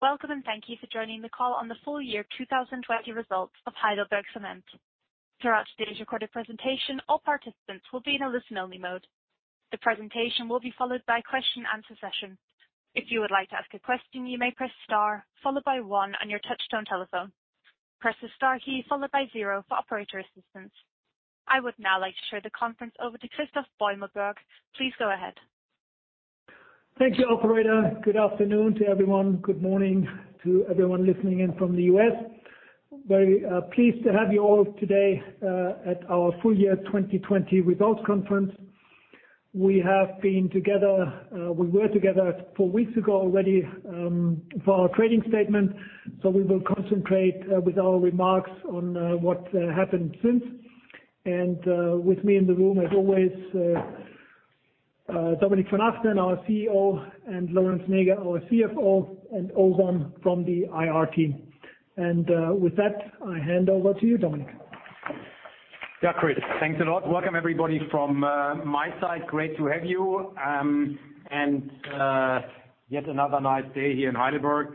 Welcome and thank you for joining the Call on the Full Year 2020 Results of HeidelbergCement. For purposes of this presentation all participants will be on listen only mode. The presentation will be followed by a question and answer session. If you would like to ask a question press star followed by one on your touch tone phone. Press the star key followed by zero for operator assistance. I would now like to turn the conference over to Christoph Beumelburg. Please go ahead. Thank you, operator. Good afternoon to everyone. Good morning to everyone listening in from the U.S. Very pleased to have you all today at our Full Year 2020 Results Conference. We were together four weeks ago already for our trading statement. We will concentrate with our remarks on what happened since. With me in the room as always, Dominik von Achten, our CEO, and Lorenz Näger, our CFO, and Ozan from the IR team. With that, I hand over to you, Dominik. Christoph, thanks a lot. Welcome everybody from my side. Great to have you, yet another nice day here in Heidelberg.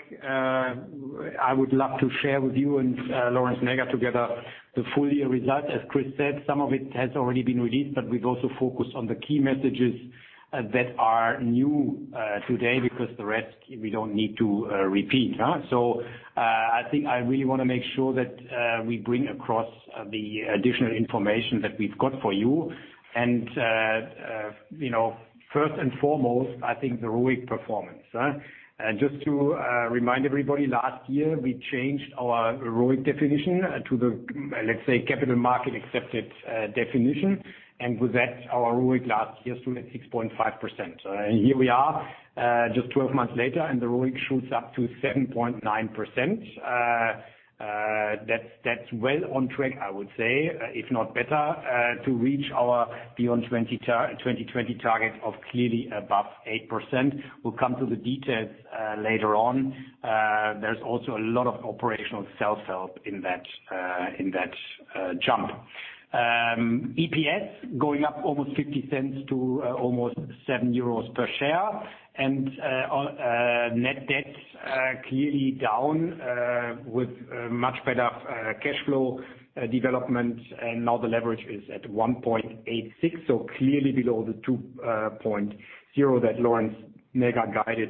I would love to share with you and Lorenz Näger together the full year results. As Christoph said, some of it has already been released, but we've also focused on the key messages that are new today because the rest we don't need to repeat. I think I really want to make sure that we bring across the additional information that we've got for you and first and foremost, I think the ROIC performance. Just to remind everybody, last year we changed our ROIC definition to the, let's say, capital market accepted definition. With that, our ROIC last year stood at 6.5%. Here we are just 12 months later and the ROIC shoots up to 7.9%. That's well on track, I would say, if not better, to reach our Beyond 2020 target of clearly above 8%. We'll come to the details later on. There's also a lot of operational self-help in that jump. EPS going up almost 0.50 to almost 7 euros per share. Net debt clearly down with much better cash flow development. Now the leverage is at 1.86, so clearly below the 2.0 that Lorenz Näger guided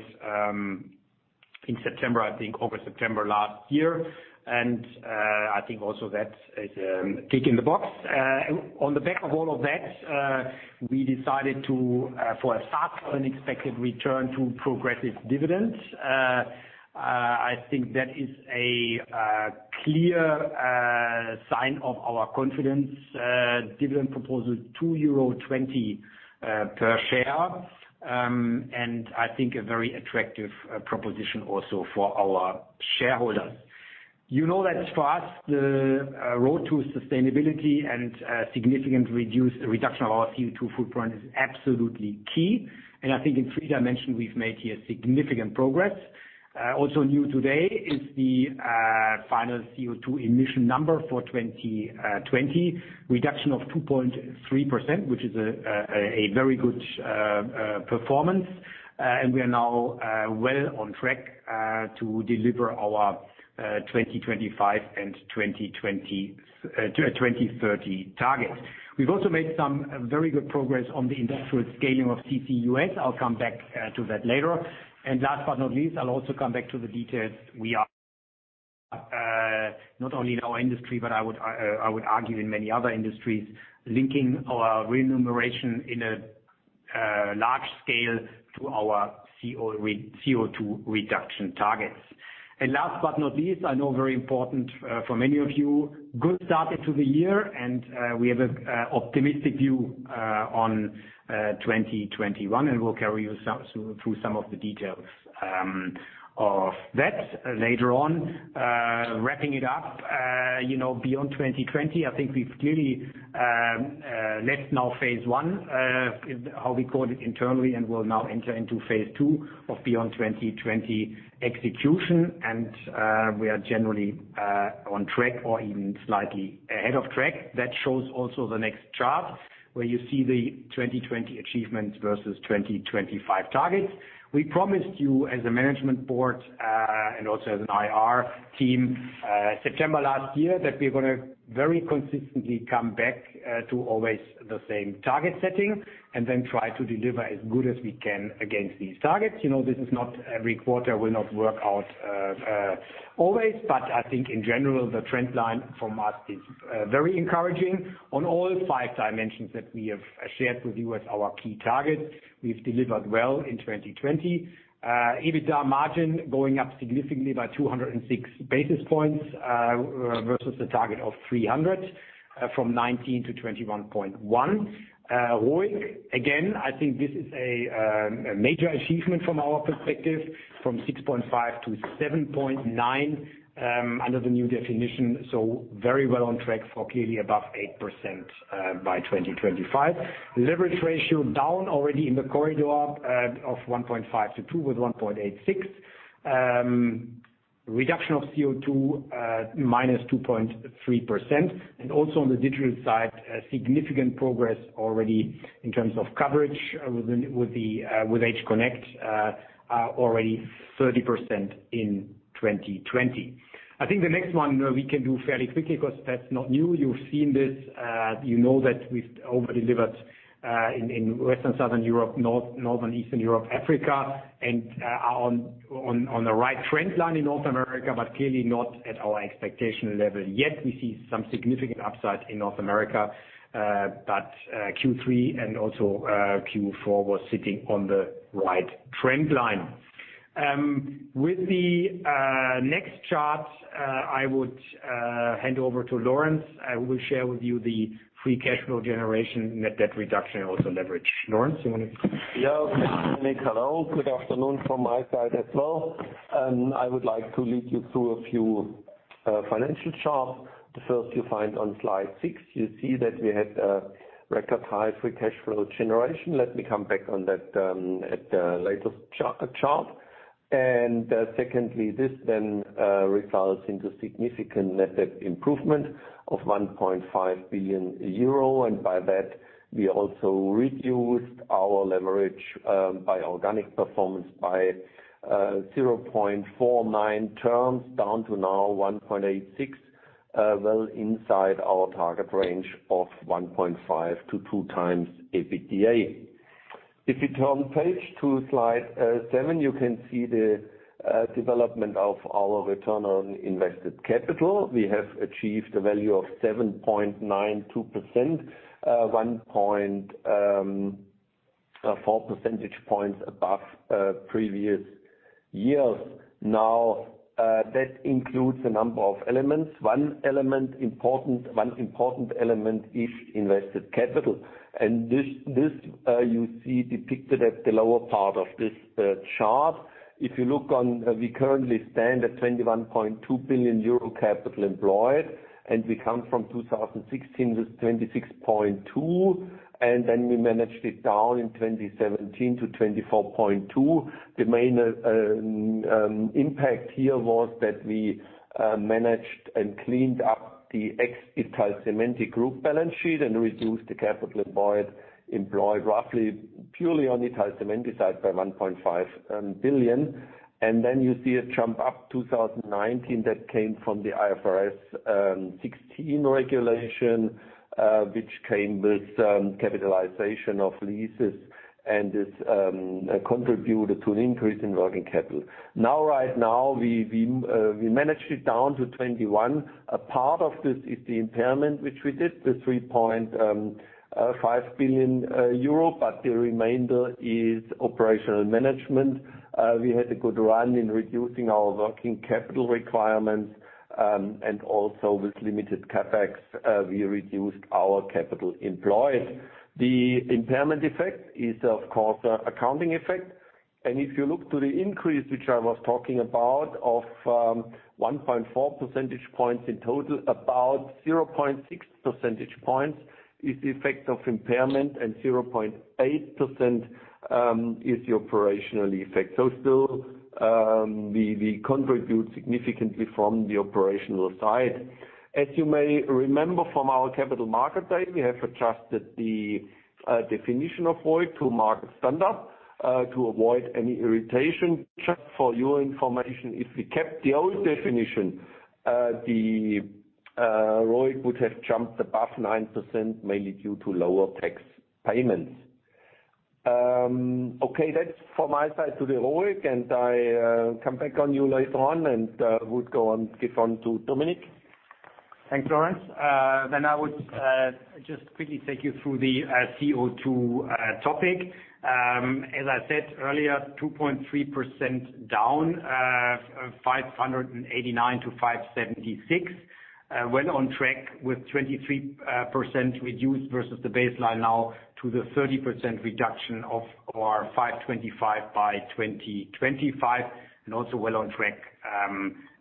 in September, I think, August, September last year. I think also that is a tick in the box. On the back of all of that, we decided to, for a start, unexpected return to progressive dividends. I think that is a clear sign of our confidence. Dividend proposal 2.20 euro per share, and I think a very attractive proposition also for our shareholders. You know that for us the road to sustainability and significant reduction of our CO2 footprint is absolutely key, and I think in three dimensions we've made here significant progress. Also new today is the final CO2 emission number for 2020, reduction of 2.3%, which is a very good performance. We are now well on track to deliver our 2025 and 2030 targets. We've also made some very good progress on the industrial scaling of CCUS. I'll come back to that later. Last but not least, I'll also come back to the details we are not only in our industry, but I would argue in many other industries, linking our remuneration in a large scale to our CO2 reduction targets. Last but not least, I know very important for many of you, good start into the year, we have an optimistic view on 2021, and we'll carry you through some of the details of that later on. Wrapping it up, Beyond 2020, I think we've clearly left now phase 1, how we called it internally, and will now enter into phase 2 of Beyond 2020 execution. We are generally on track or even slightly ahead of track. That shows also the next chart, where you see the 2020 achievements versus 2025 targets. We promised you as a management board, and also as an IR team, September last year that we're going to very consistently come back to always the same target setting and then try to deliver as good as we can against these targets. Every quarter will not work out always, but I think in general the trend line from us is very encouraging. On all five dimensions that we have shared with you as our key targets, we've delivered well in 2020. EBITDA margin going up significantly by 206 basis points versus the target of 300 from 19 to 21.1. ROIC, again, I think this is a major achievement from our perspective, from 6.5% to 7.9% under the new definition, so very well on track for clearly above 8% by 2025. Leverage ratio down already in the corridor of 1.5 to two with 1.86. Reduction of CO2, -2.3%. Also on the digital side, significant progress already in terms of coverage with HConnect, already 30% in 2020. I think the next one we can do fairly quickly because that's not new. You've seen this. You know that we've over-delivered, in Western Southern Europe, Northern Eastern Europe, Africa, and on the right trend line in North America, but clearly not at our expectation level yet. We see some significant upside in North America, but Q3 and also Q4 was sitting on the right trend line. With the next chart, I would hand over to Lorenz, who will share with you the free cash flow generation, net debt reduction, and also leverage. Lorenz, you want to? Yeah. Dominik, hello. Good afternoon from my side as well. I would like to lead you through a few financial charts. The first you find on slide six, you see that we had a record high free cash flow generation. Let me come back on that at the latest chart. Secondly, this then results into significant net debt improvement of 1.5 billion euro. By that, we also reduced our leverage by organic performance by 0.49x down to now 1.86x, well inside our target range of 1.5x to 2x EBITDA. If you turn page to slide seven, you can see the development of our return on invested capital. We have achieved a value of 7.92%, 1.4 percentage points above previous years. That includes a number of elements. One important element is invested capital. This you see depicted at the lower part of this chart. If you look on, we currently stand at 21.2 billion euro capital employed, and we come from 2016 with 26.2 billion, and then we managed it down in 2017 to 24.2 billion. The main impact here was that we managed and cleaned up the ex Italcementi group balance sheet and reduced the capital employed roughly purely on Italcementi side by 1.5 billion. Then you see a jump up 2019 that came from the IFRS 16 regulation, which came with capitalization of leases and this contributed to an increase in working capital. Now, right now, we managed it down to 21 billion. A part of this is the impairment, which we did, the 3.5 billion euro, but the remainder is operational management. We had a good run in reducing our working capital requirements, and also with limited CapEx, we reduced our capital employed. The impairment effect is, of course, accounting effect. If you look to the increase, which I was talking about, of 1.4 percentage points in total, about 0.6 percentage points is the effect of impairment and 0.8% is the operational effect. Still, we contribute significantly from the operational side. As you may remember from our Capital Market Day, we have adjusted the definition of ROIC to market standard, to avoid any irritation. Just for your information, if we kept the old definition, the ROIC would have jumped above 9%, mainly due to lower tax payments. Okay, that's from my side to the ROIC. I come back on you later on and would give on to Dominik. Thanks, Lorenz. I would just quickly take you through the CO2 topic. As I said earlier, 2.3% down, 589 to 576. Well on track with 23% reduced versus the baseline now to the 30% reduction of our 525 by 2025, and also well on track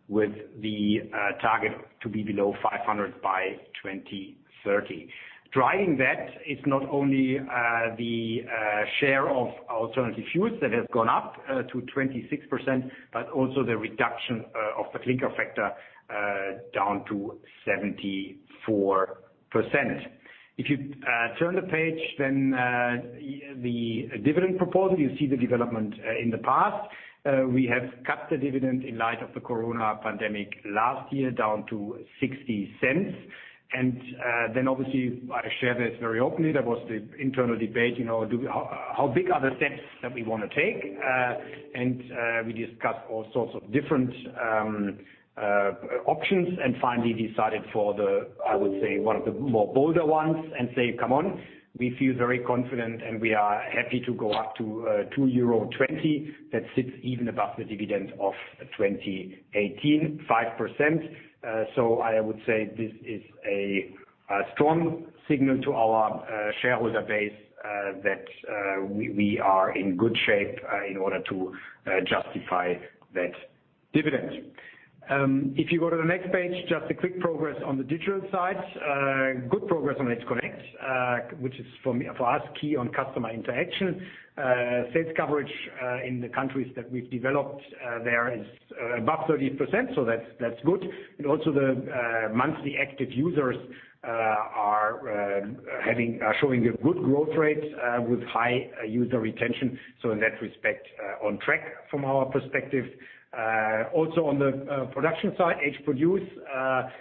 with the target to be below 500 by 2030. Driving that is not only the share of alternative fuels that have gone up to 26%, but also the reduction of the clinker factor down to 74%. If you turn the page, the dividend proposal, you see the development in the past. We have cut the dividend in light of the coronavirus pandemic last year down to 0.60. Obviously, I share this very openly. There was the internal debate, how big are the steps that we want to take? We discussed all sorts of different options and finally decided for the, I would say, one of the more bolder ones and say, come on, we feel very confident and we are happy to go up to 2.20 euro. That sits even above the dividend of 2018, 5%. I would say this is a strong signal to our shareholder base that we are in good shape in order to justify that dividend. If you go to the next page, just a quick progress on the digital side. Good progress on HConnect, which is for us key on customer interaction. Sales coverage in the countries that we've developed there is above 30%, so that's good. Also the monthly active users are showing a good growth rate with high user retention. In that respect, on track from our perspective. On the production side, HProduce,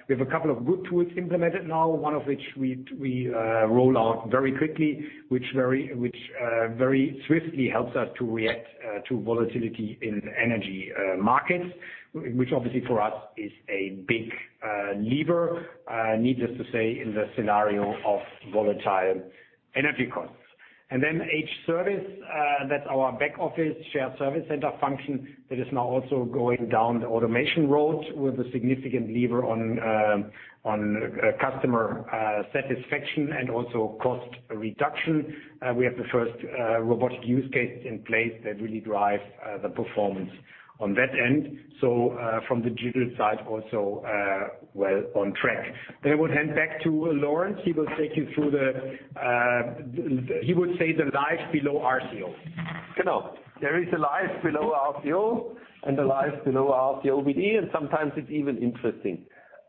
we have a couple of good tools implemented now, one of which we roll out very quickly, which very swiftly helps us to react to volatility in energy markets, which obviously for us is a big lever, needless to say, in the scenario of volatile energy costs. HService, that's our back office shared service center function that is now also going down the automation road with a significant lever on customer satisfaction and also cost reduction. We have the first robotic use case in place that really drives the performance on that end. From the digital side, we are also well on track. I will hand back to Lorenz. He will take you through the life below RCO. There is a life below RCO and a life below RCO with E, and sometimes it's even interesting.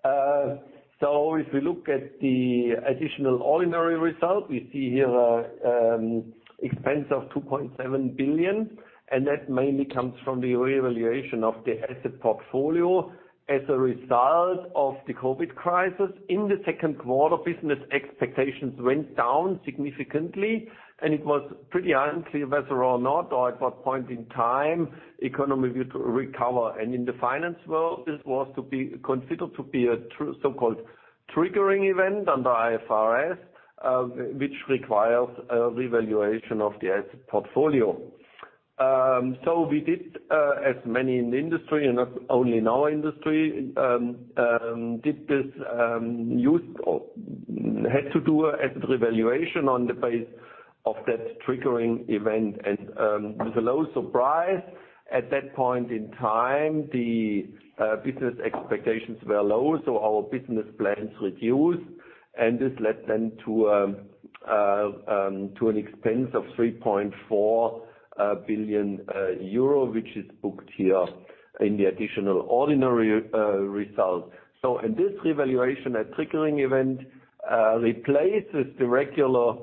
If we look at the additional ordinary result, we see here expense of 2.7 billion, and that mainly comes from the reevaluation of the asset portfolio as a result of the COVID crisis. In Q2, business expectations went down significantly, and it was pretty unclear whether or not, or at what point in time economy would recover. In the finance world, this was considered to be a so-called triggering event under IFRS, which requires a revaluation of the asset portfolio. We did, as many in the industry, and not only in our industry, had to do a asset revaluation on the base of that triggering event. With a low surprise at that point in time, the business expectations were low, our business plans reduced. This led then to an expense of 3.4 billion euro, which is booked here in the additional ordinary result. This revaluation, that triggering event, replaces the regular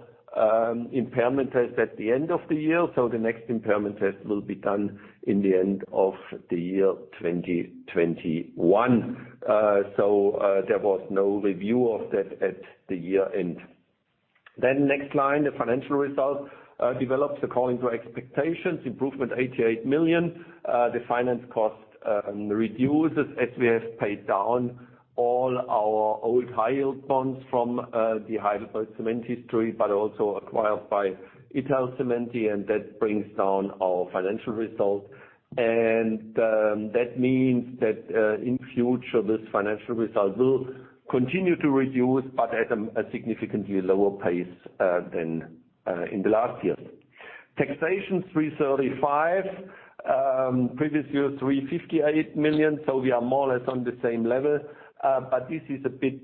impairment test at the end of the year. The next impairment test will be done in the end of the year 2021. There was no review of that at the year-end. Next line, the financial result develops according to expectations. Improvement 88 million. The finance cost reduces as we have paid down all our old high yield bonds from the HeidelbergCement history, but also acquired by Italcementi, that brings down our financial result. That means that in future, this financial result will continue to reduce, but at a significantly lower pace than in the last years. Taxation 335 million. Previous year, 358 million. We are more or less on the same level. This is a bit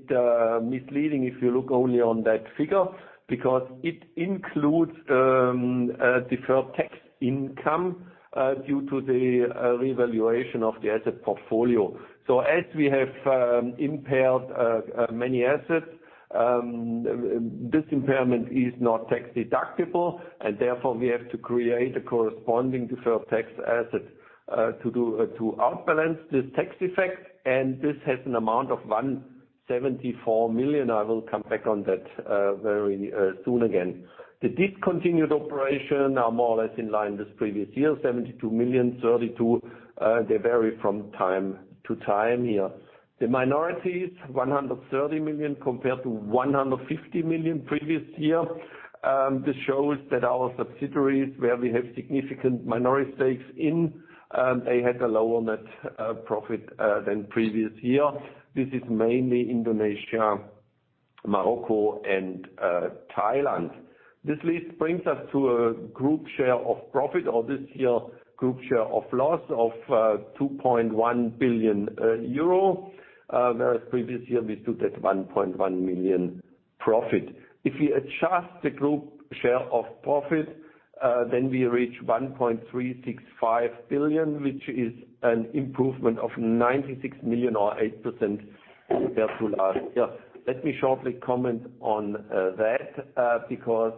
misleading if you look only on that figure, because it includes deferred tax income due to the revaluation of the asset portfolio. As we have impaired many assets, this impairment is not tax deductible, and therefore, we have to create a corresponding deferred tax asset, to outbalance this tax effect. This has an amount of 174 million. I will come back on that very soon again. The discontinued operation are more or less in line this previous year, 72 million, 32 million. They vary from time to time here. The minorities, 130 million compared to 150 million previous year. This shows that our subsidiaries where we have significant minority stakes in, they had a lower net profit than previous year. This is mainly Indonesia, Morocco, and Thailand. This list brings us to a group share of profit or this year group share of loss of 2.1 billion euro. Previous year we stood at 1.1 million profit. If we adjust the group share of profit, we reach 1.365 billion, which is an improvement of 96 million or 8% compared to last year. Let me shortly comment on that, because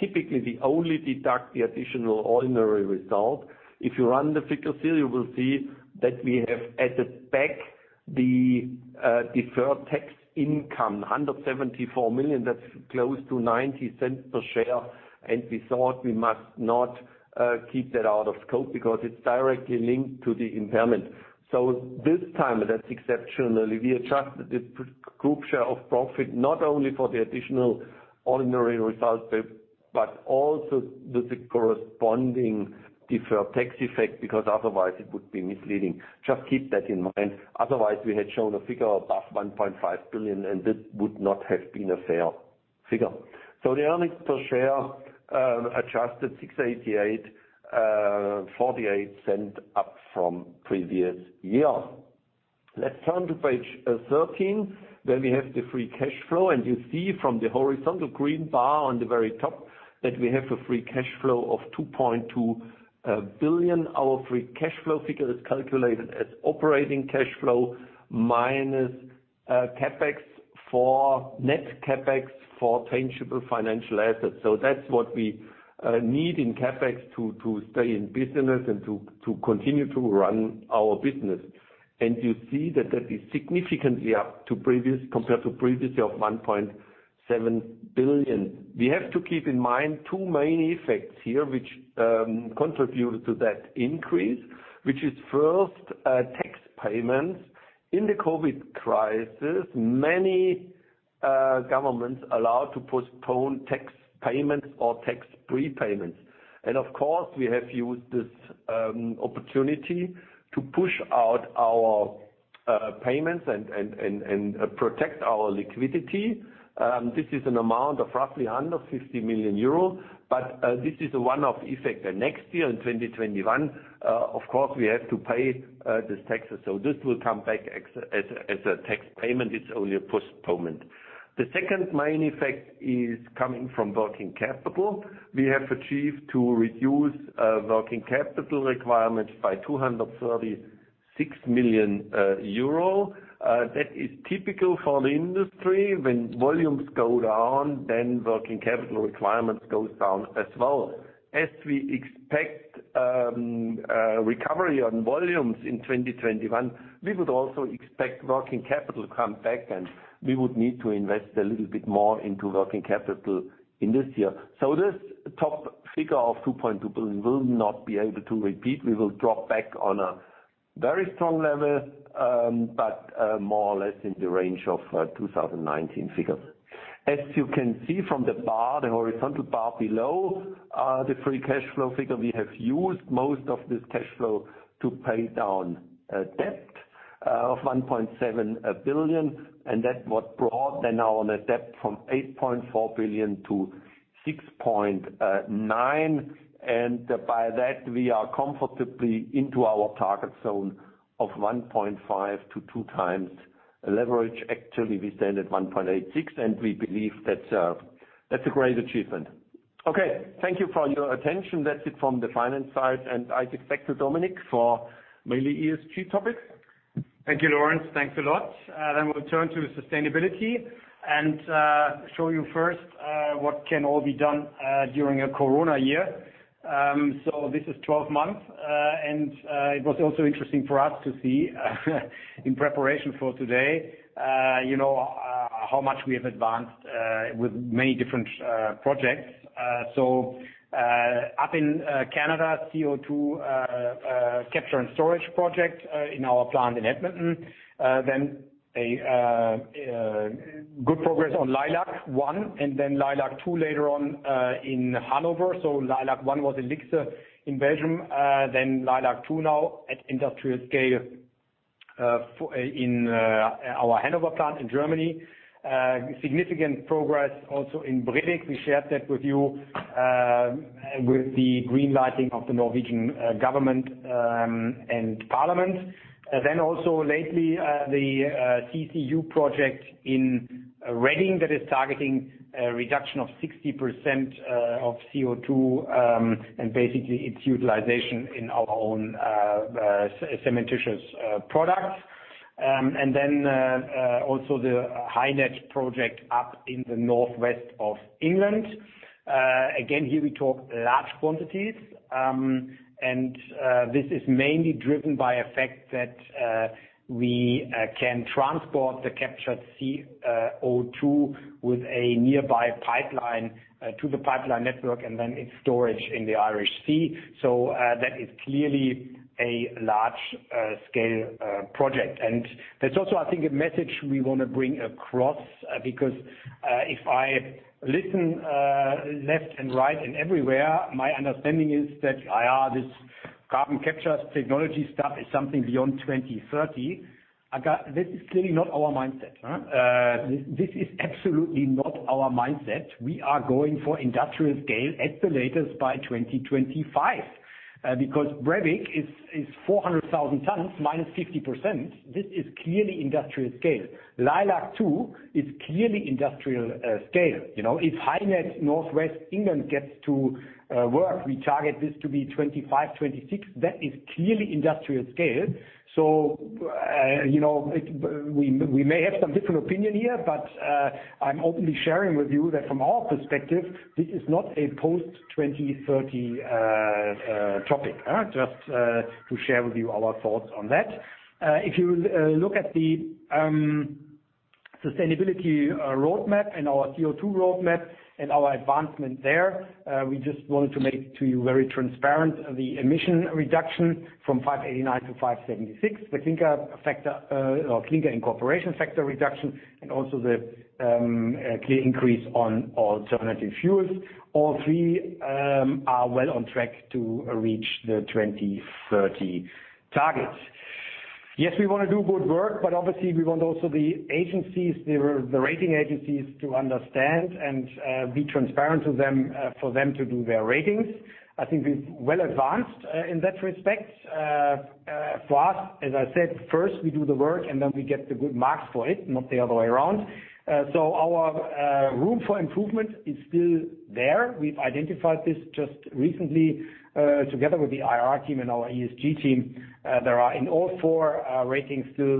typically we only deduct the additional ordinary result. If you run the figure still, you will see that we have at the back the deferred tax income, 174 million. That's close to 0.90 per share. We thought we must not keep that out of scope because it's directly linked to the impairment. This time, that's exceptionally, we adjusted this group share of profit, not only for the additional ordinary results, but also the corresponding deferred tax effect, because otherwise it would be misleading. Just keep that in mind. We had shown a figure above 1.5 billion, and this would not have been a fair figure. The earnings per share, adjusted 6.88, 0.48 up from previous year. Let's turn to page 13. We have the free cash flow. You see from the horizontal green bar on the very top that we have a free cash flow of 2.2 billion. Our free cash flow figure is calculated as operating cash flow minus CapEx for net CapEx for tangible financial assets. That's what we need in CapEx to stay in business and to continue to run our business. You see that that is significantly up compared to previous year of 1.7 billion. We have to keep in mind two main effects here, which contribute to that increase, which is first, tax payments. In the COVID crisis, many governments allowed to postpone tax payments or tax prepayments. Of course, we have used this opportunity to push out our payments and protect our liquidity. This is an amount of roughly 150 million euro, but this is a one-off effect. Next year, in 2021, of course, we have to pay these taxes, this will come back as a tax payment. It's only a postponement. The second main effect is coming from working capital. We have achieved to reduce working capital requirements by 236 million euro. That is typical for the industry. When volumes go down, working capital requirements goes down as well. As we expect recovery on volumes in 2021, we would also expect working capital come back, we would need to invest a little bit more into working capital in this year. This top figure of 2.2 billion will not be able to repeat. We will drop back on a very strong level, but more or less in the range of 2019 figures. As you can see from the bar, the horizontal bar below, the free cash flow figure, we have used most of this cash flow to pay down debt of 1.7 billion, and that's what brought the net debt from 8.4 billion to 6.9 billion. By that, we are comfortably into our target zone of 1.5-2x leverage. Actually, we stand at 1.86x, and we believe that's a great achievement. Okay. Thank you for your attention. That's it from the finance side. I expect the Dominik for mainly ESG topic. Thank you, Lorenz. Thanks a lot. We'll turn to sustainability and show you first what can all be done during a corona year. This is 12 months. It was also interesting for us to see in preparation for today, how much we have advanced with many different projects. Up in Canada, CO2 capture and storage project in our plant in Edmonton. A good progress on Leilac-I and then Leilac-2 later on in Hanover. Leilac-I was in Lixhe in Belgium, then Leilac-2 now at industrial scale in our Hanover plant in Germany. Significant progress also in Brevik. We shared that with you with the green lighting of the Norwegian government and parliament. Also lately, the CCU project in Redding that is targeting a reduction of 60% of CO2, and basically its utilization in our own cementitious products. Also the HyNet project up in the northwest of England. Again, here we talk large quantities, and this is mainly driven by a fact that we can transport the captured CO2 with a nearby pipeline to the pipeline network and then its storage in the Irish Sea. That is clearly a large-scale project. That's also, I think, a message we want to bring across, because, if I listen left and right and everywhere, my understanding is that, "This carbon capture technology stuff is something beyond 2030." This is clearly not our mindset. This is absolutely not our mindset. We are going for industrial scale at the latest by 2025. Brevik is 400,000 tons minus 50%. This is clearly industrial scale. Leilac-2 is clearly industrial scale. If HyNet Northwest England gets to work, we target this to be 2025, 2026. That is clearly industrial scale. We may have some different opinion here, but I'm openly sharing with you that from our perspective, this is not a post-2030 topic. Just to share with you our thoughts on that. If you look at the sustainability roadmap and our CO2 roadmap and our advancement there, we just wanted to make to you very transparent the emission reduction from 589 to 576. The Clinker incorporation factor reduction and also the clear increase on alternative fuels. All three are well on track to reach the 2030 targets. Yes, we want to do good work, obviously we want also the rating agencies to understand and be transparent to them for them to do their ratings. I think we're well advanced in that respect. For us, as I said, first we do the work, and then we get the good marks for it, not the other way around. Our room for improvement is still there. We've identified this just recently, together with the IR team and our ESG team. There are in all four ratings still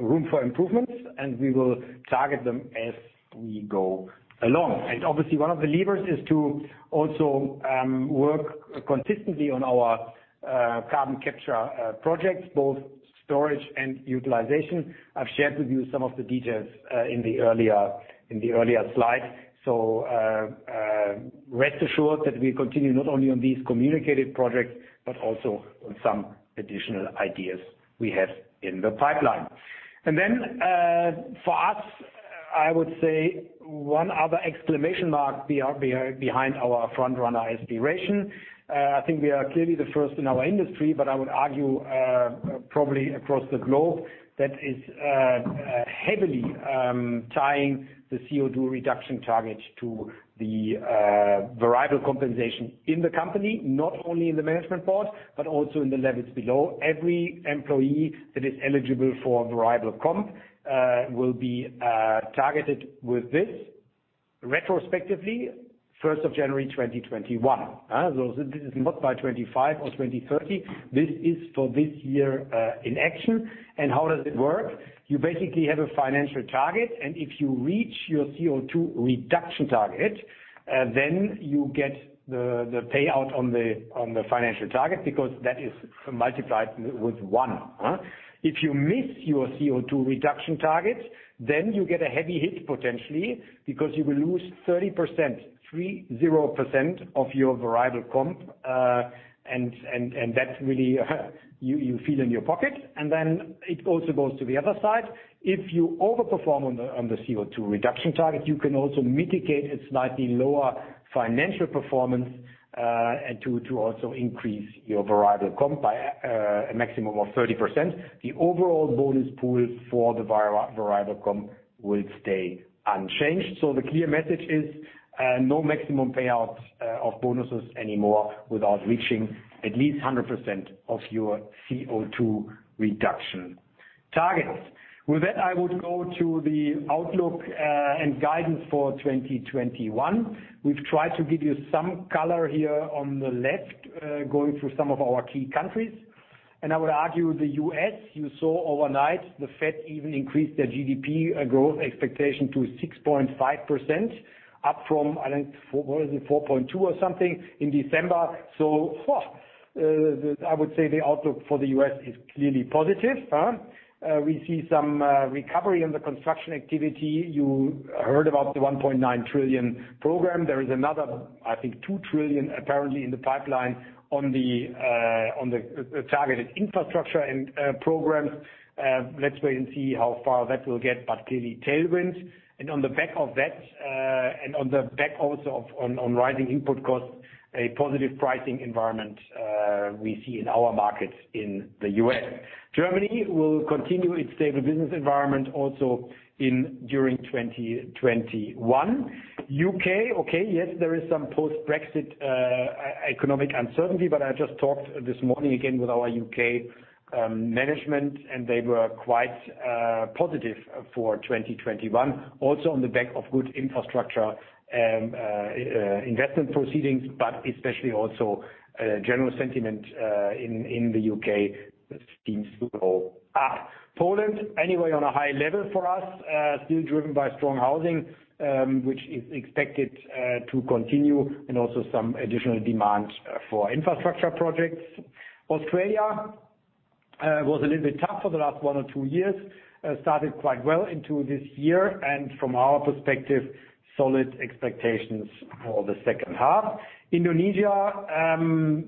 room for improvements, and we will target them as we go along. Obviously one of the levers is to also work consistently on our carbon capture projects, both storage and utilization. I've shared with you some of the details in the earlier slide. Rest assured that we continue not only on these communicated projects, but also on some additional ideas we have in the pipeline. For us, I would say one other exclamation mark behind our front-runner aspiration. I think we are clearly the first in our industry, but I would argue probably across the globe, that is heavily tying the CO2 reduction target to the variable compensation in the company. Not only in the management board, but also in the levels below. Every employee that is eligible for variable comp will be targeted with this retrospectively 1st January 2021. This is not by 2025 or 2030. This is for this year in action. How does it work? You basically have a financial target, and if you reach your CO2 reduction target, then you get the payout on the financial target because that is multiplied with one. If you miss your CO2 reduction target, then you get a heavy hit potentially, because you will lose 30%, 30%, of your variable comp. That really you feel in your pocket. Then it also goes to the other side. If you overperform on the CO2 reduction target, you can also mitigate a slightly lower financial performance, and to also increase your variable comp by a maximum of 30%. The overall bonus pool for the variable comp will stay unchanged. The clear message is, no maximum payouts of bonuses anymore without reaching at least 100% of your CO2 reduction targets. With that, I would go to the outlook and guidance for 2021. We've tried to give you some color here on the left, going through some of our key countries. I would argue the U.S., you saw overnight the Fed even increased their GDP growth expectation to 6.5% up from, I think, what was it? 4.2% or something in December. I would say the outlook for the U.S. is clearly positive. We see some recovery in the construction activity. You heard about the $1.9 trillion program. There is another $2 trillion apparently in the pipeline on the targeted infrastructure and programs. Let's wait and see how far that will get, but clearly tailwinds. On the back of that, and on the back also on rising input costs, a positive pricing environment we see in our markets in the U.S. Germany will continue its stable business environment also during 2021. U.K., there is some post-Brexit economic uncertainty, but I just talked this morning again with our U.K. management and they were quite positive for 2021. Also on the back of good infrastructure investment proceedings, but especially also general sentiment in the U.K. seems to go up. Poland, anyway, on a high level for us. Still driven by strong housing, which is expected to continue, also some additional demand for infrastructure projects. Australia was a little bit tough for the last one or two years. From our perspective, solid expectations for the H2. Indonesia,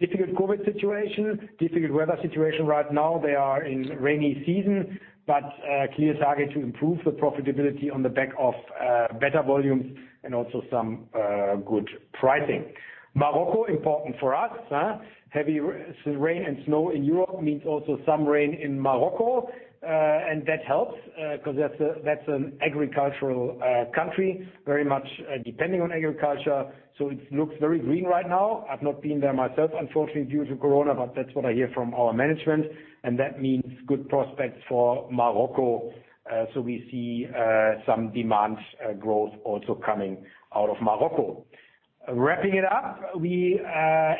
difficult COVID situation, difficult weather situation right now. They are in rainy season, Clear target to improve the profitability on the back of better volumes and also some good pricing. Morocco important for us. Heavy rain and snow in Europe means also some rain in Morocco. That helps, because that's an agricultural country, very much depending on agriculture. It looks very green right now. I've not been there myself, unfortunately, due to COVID, but that's what I hear from our management, and that means good prospects for Morocco. We see some demand growth also coming out of Morocco. Wrapping it up, we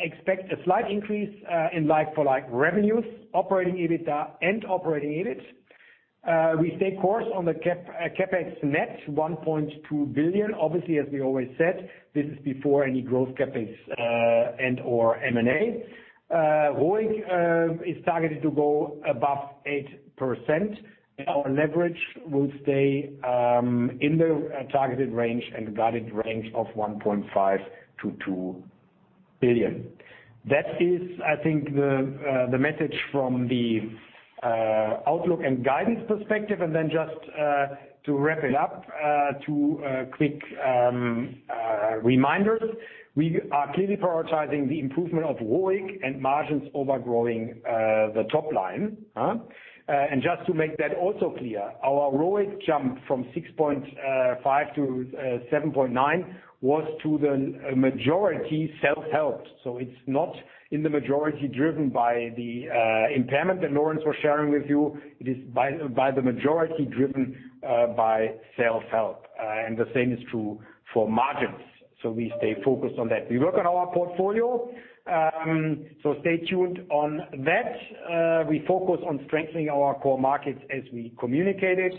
expect a slight increase in like-for-like revenues, operating EBITDA, and operating EBIT. We stay course on the CapEx net 1.2 billion. Obviously, as we always said, this is before any growth CapEx and/or M&A. ROIC is targeted to go above 8%, and our leverage will stay in the targeted range and guided range of 1.5 billion-2 billion. That is, I think, the message from the outlook and guidance perspective. Just to wrap it up, two quick reminders. We are clearly prioritizing the improvement of ROIC and margins over growing the top line. Just to make that also clear, our ROIC jump from 6.5% to 7.9% was to the majority, self-help. It's not in the majority driven by the impairment that Lorenz was sharing with you. It is, by the majority, driven by self-help. The same is true for margins. We stay focused on that. We work on our portfolio. Stay tuned on that. We focus on strengthening our core markets as we communicated.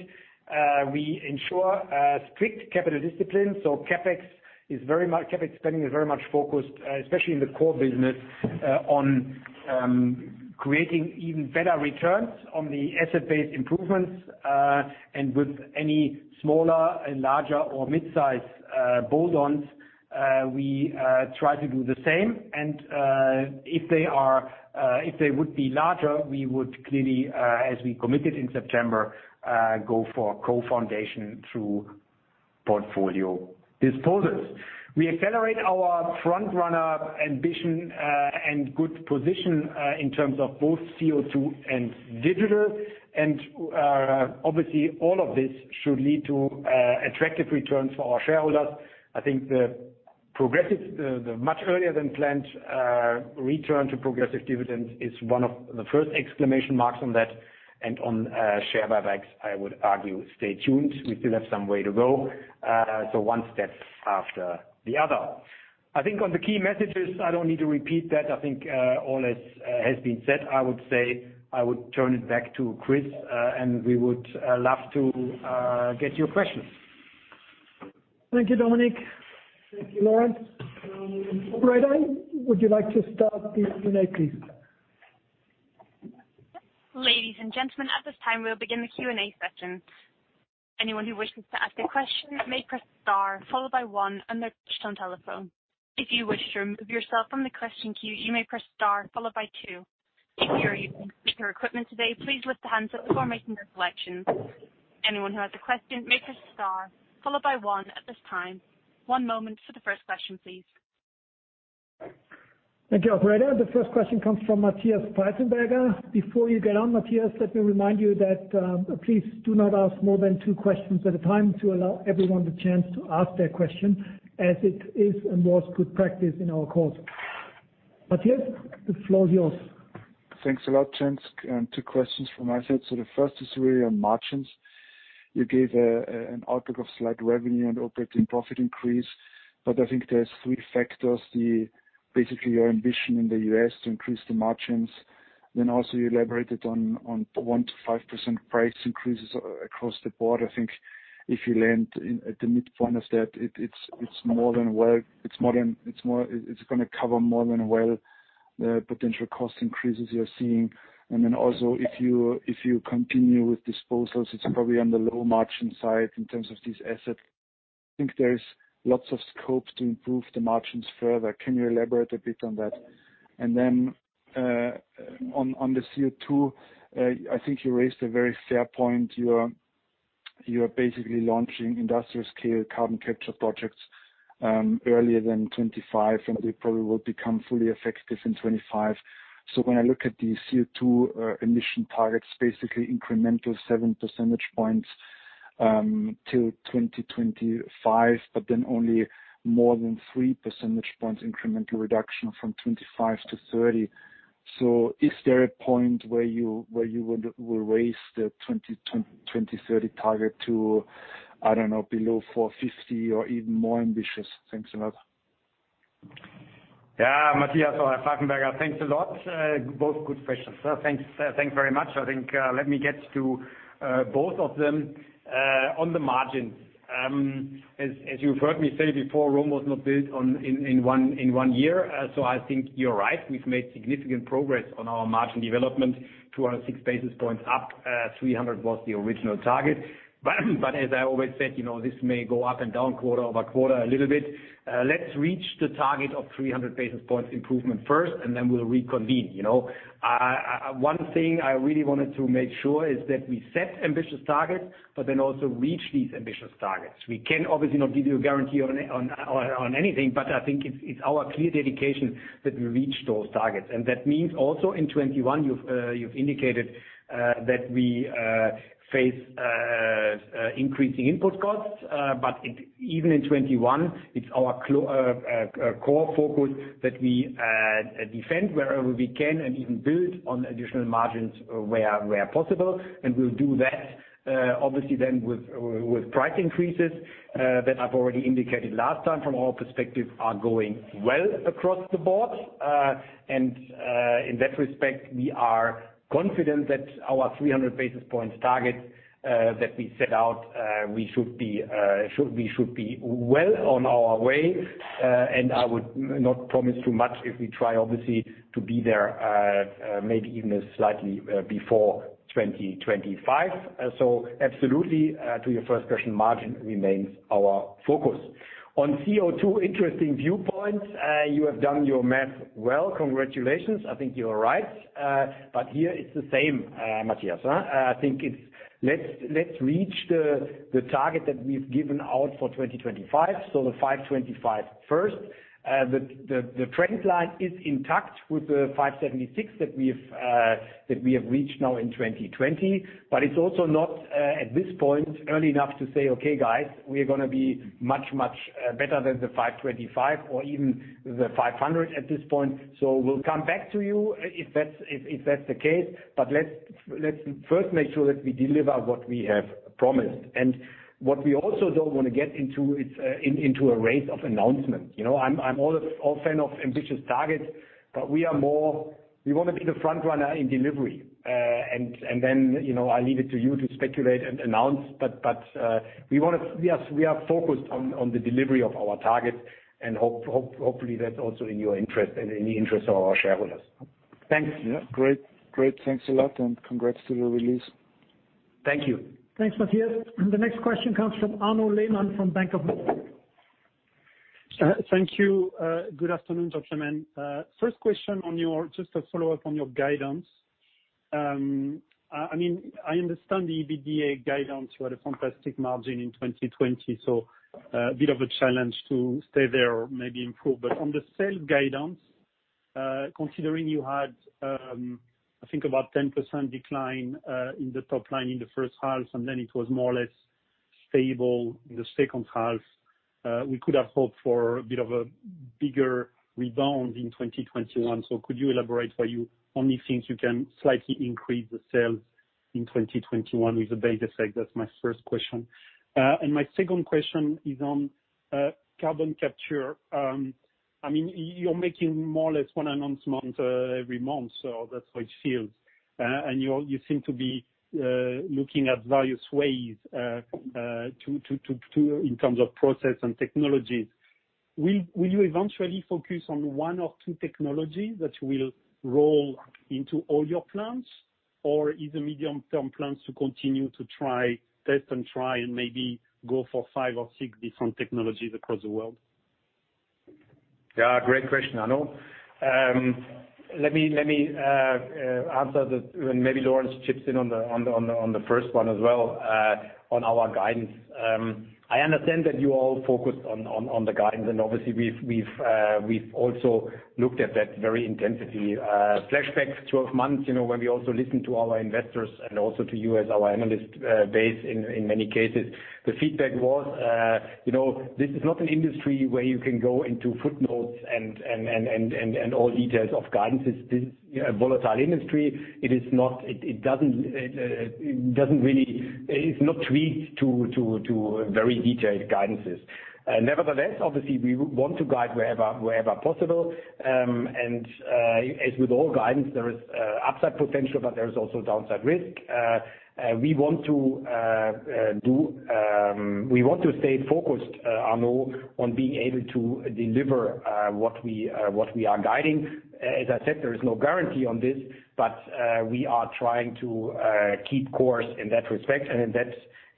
We ensure strict capital discipline. CapEx spending is very much focused, especially in the core business, on creating even better returns on the asset-based improvements. With any smaller and larger or mid-size bolt-ons, we try to do the same. If they would be larger, we would clearly, as we committed in September, go for co-foundation through portfolio disposals. We accelerate our front-runner ambition and good position in terms of both CO2 and digital. Obviously all of this should lead to attractive returns for our shareholders. I think the much earlier than planned return to progressive dividends is one of the first exclamation marks on that. On share buybacks, I would argue stay tuned. We still have some way to go. One step after the other. I think on the key messages, I don't need to repeat that. I think all has been said. I would say I would turn it back to Chris. We would love to get your questions. Thank you, Dominik. Thank you, Lorenz. Operator, would you like to start the Q&A, please? Ladies and gentlemen, at this time, we'll begin the Q&A session. Anyone who wishes to ask a question may press star, followed by one on their push-to-talk telephone. If you wish to remove yourself from the question queue, you may press star followed by two. If you are using speaker equipment today, please lift the handset before making your selections. Anyone who has a question may press star followed by one at this time. One moment for the first question, please. Thank you, operator. The first question comes from Matthias Pfeifenberger. Before you get on, Matthias, let me remind you that, please do not ask more than two questions at a time to allow everyone the chance to ask their question as it is and was good practice in our calls. Matthias, the floor is yours. Thanks a lot, gents. Two questions from my side. The first is really on margins. You gave an outlook of slight revenue and operating profit increase, I think there's three factors. Basically, your ambition in the U.S. to increase the margins. Also you elaborated on 1% to 5% price increases across the board. I think if you land at the midpoint of that, it's going to cover more than well the potential cost increases you're seeing. Also if you continue with disposals, it's probably on the low margin side in terms of these assets. I think there's lots of scope to improve the margins further. Can you elaborate a bit on that? On the CO2, I think you raised a very fair point. You are basically launching industrial scale carbon capture projects earlier than 2025, and they probably will become fully effective in 2025. When I look at the CO2 emission targets, basically incremental seven percentage points till 2025, only more than three percentage points incremental reduction from 2025 to 2030. Is there a point where you will raise the 2030 target to, I don't know, below 450 or even more ambitious? Thanks a lot. Yeah. Matthias Pfeifenberger, thanks a lot. Both good questions. Thanks very much. I think let me get to both of them. On the margins, as you've heard me say before, Rome was not built in one year. I think you're right. We've made significant progress on our margin development. 206 basis points up, 300 was the original target. As I always said, this may go up and down quarter-over-quarter a little bit. Let's reach the target of 300 basis points improvement first, then we'll reconvene. One thing I really wanted to make sure is that we set ambitious targets, then also reach these ambitious targets. We can obviously not give you a guarantee on anything, I think it's our clear dedication that we reach those targets. That means also in 2021, you've indicated that we face increasing input costs. Even in 2021, it's our core focus that we defend wherever we can and even build on additional margins where possible. We'll do that obviously then with price increases that I've already indicated last time, from our perspective, are going well across the board. In that respect, we are confident that our 300 basis points target that we set out, we should be well on our way. I would not promise too much if we try obviously to be there maybe even slightly before 2025. Absolutely, to your first question, margin remains our focus. On CO2, interesting viewpoints. You have done your math well, congratulations. I think you are right. Here it's the same, Matthias. I think let's reach the target that we've given out for 2025, so the 525 first. The trend line is intact with the 576 that we have reached now in 2020. It's also not, at this point, early enough to say, "Okay, guys, we are going to be much, much better than the 525 or even the 500 at this point." We'll come back to you if that's the case. Let's first make sure that we deliver what we have promised. What we also don't want to get into, it's into a race of announcement. I'm all a fan of ambitious targets, but we want to be the front runner in delivery. I leave it to you to speculate and announce, but we are focused on the delivery of our targets and hopefully that's also in your interest and in the interest of our shareholders. Thanks. Great. Thanks a lot and congrats to the release. Thank you. Thanks, Matthias. The next question comes from Arnaud Lehmann from Bank of America. Thank you. Good afternoon, gentlemen. First question, just a follow-up on your guidance. I understand the EBITDA guidance. You had a fantastic margin in 2020, so a bit of a challenge to stay there or maybe improve. On the sales guidance, considering you had, I think about 10% decline in the top line in the H1, and then it was more or less stable in the H2. We could have hoped for a bit of a bigger rebound in 2021. Could you elaborate why you only think you can slightly increase the sales in 2021 with the base effect? That's my first question. My second question is on carbon capture. You're making more or less one announcement every month, so that's how it feels. You seem to be looking at various ways in terms of process and technologies. Will you eventually focus on one or two technologies that will roll into all your plants, or is the medium-term plan to continue to test and try and maybe go for five or six different technologies across the world? Yeah, great question, Arnaud. Let me answer that, and maybe Lorenz chips in on the first one as well, on our guidance. I understand that you all focused on the guidance, and obviously we've also looked at that very intensely. Flashback 12 months, when we also listened to our investors and also to you as our analyst base, in many cases. The feedback was, this is not an industry where you can go into footnotes and all details of guidance. It's not tweaked to very detailed guidances. Nevertheless, obviously, we want to guide wherever possible. As with all guidance, there is upside potential, but there is also downside risk. We want to stay focused, Arnaud, on being able to deliver what we are guiding. As I said, there is no guarantee on this, but we are trying to keep course in that respect, and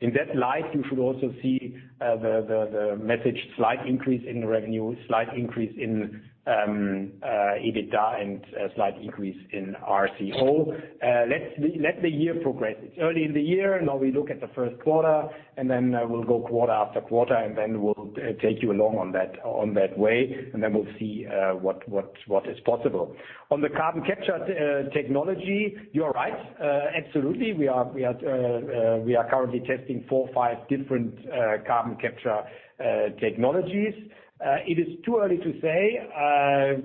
in that light, you should also see the messaged slight increase in revenue, slight increase in EBITDA, and a slight increase in RCO. Let the year progress. It's early in the year. Now we look at the Q1, and then we'll go quarter after quarter, and then we'll take you along on that way, and then we'll see what is possible. On the carbon capture technology, you are right. Absolutely, we are currently testing four or five different carbon capture technologies. It is too early to say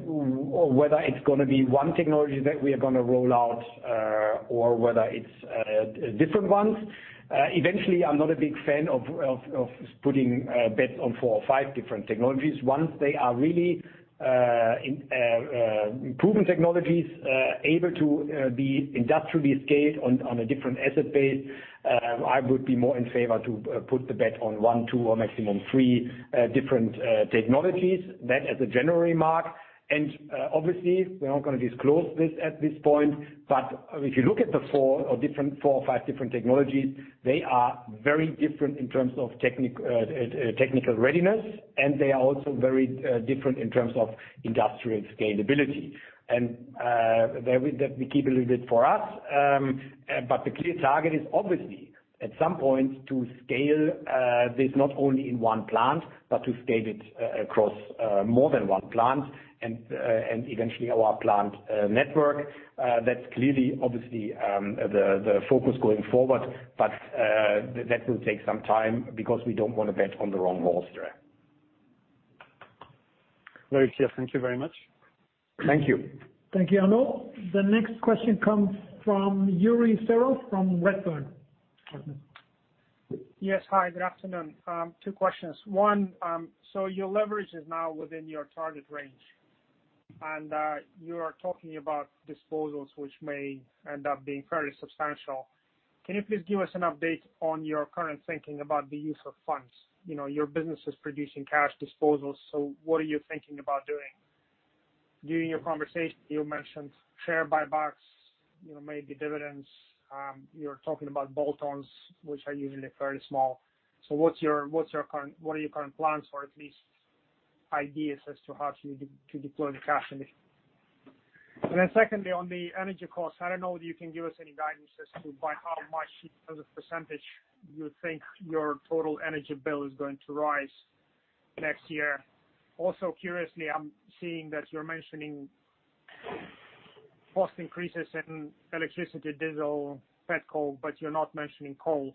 whether it's going to be one technology that we are going to roll out, or whether it's different ones. Eventually, I'm not a big fan of putting a bet on four or five different technologies. Once they are really proven technologies, able to be industrially scaled on a different asset base, I would be more in favor to put the bet on one, two, or maximum three different technologies. That as a general remark. Obviously, we're not going to disclose this at this point, but if you look at the four or five different technologies, they are very different in terms of technical readiness, and they are also very different in terms of industrial scalability. That we keep a little bit for us. The clear target is obviously at some point to scale this not only in one plant, but to scale it across more than one plant, and eventually our plant network. That's clearly, obviously, the focus going forward, but that will take some time because we don't want to bet on the wrong horse there. Very clear. Thank you very much. Thank you. Thank you, Arnaud. The next question comes from Yuri Serov from Redburn. Pardon. Yes. Hi, good afternoon. Two questions. One, your leverage is now within your target range. You are talking about disposals, which may end up being fairly substantial. Can you please give us an update on your current thinking about the use of funds? Your business is producing cash disposals, so what are you thinking about doing? During your conversation, you mentioned share buybacks, maybe dividends. You're talking about bolt-ons, which are usually fairly small. What are your current plans, or at least ideas as to how to deploy the cash? Secondly, on the energy costs, I don't know whether you can give us any guidance as to by how much as a percentage you think your total energy bill is going to rise next year. Also, curiously, I'm seeing that you're mentioning cost increases in electricity, diesel, petcoke, but you're not mentioning coal.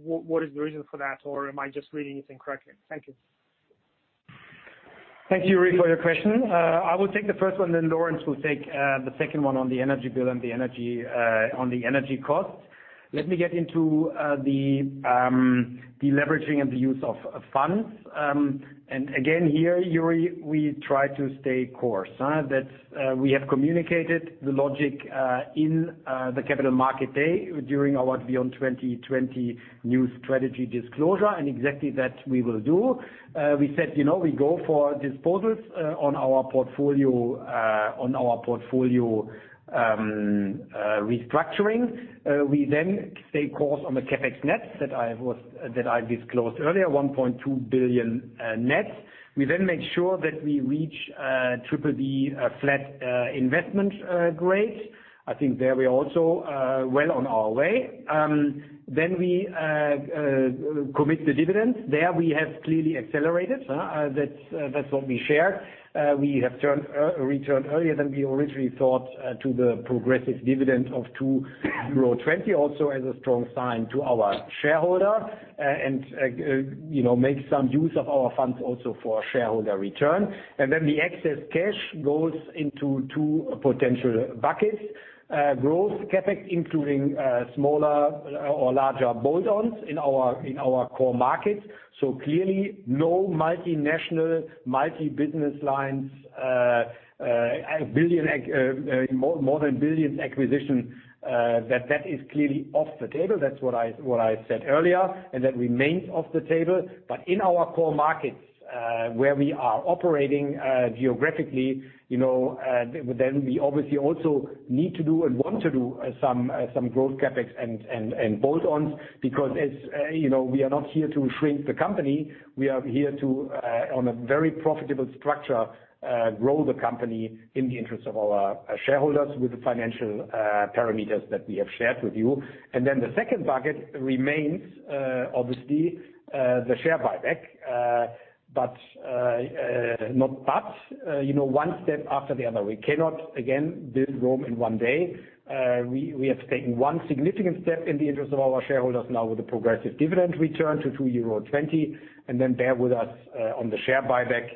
What is the reason for that? Am I just reading it incorrectly? Thank you. Thank you, Yuri, for your question. I will take the first one, then Lorenz will take the second one on the energy bill and on the energy costs. Let me get into the deleveraging and the use of funds. Again, here, Yuri, we try to stay course. We have communicated the logic in the Capital Markets Day during our Beyond 2020 new strategy disclosure. Exactly that we will do. We said, we go for disposals on our portfolio restructuring. We then stay course on the CapEx net that I disclosed earlier, 1.2 billion net. We then make sure that we reach BBB flat investment grade. I think there we're also well on our way. We commit the dividends. There we have clearly accelerated. That's what we shared. We have returned earlier than we originally thought to the progressive dividend of 2.20 euro, also as a strong sign to our shareholder and make some use of our funds also for shareholder return. The excess cash goes into two potential buckets. Growth CapEx, including smaller or larger bolt-ons in our core markets. Clearly no multinational, multi business lines, more than billions acquisition. That is clearly off the table. That's what I said earlier, that remains off the table. In our core markets, where we are operating geographically, we obviously also need to do and want to do some growth CapEx and bolt-ons because we are not here to shrink the company. We are here to, on a very profitable structure, grow the company in the interest of our shareholders with the financial parameters that we have shared with you. The second bucket remains, obviously, the share buyback. Not but, one step after the other. We cannot, again, build Rome in one day. We have taken one significant step in the interest of our shareholders now with the progressive dividend return to 2.20 euro. Bear with us on the share buyback.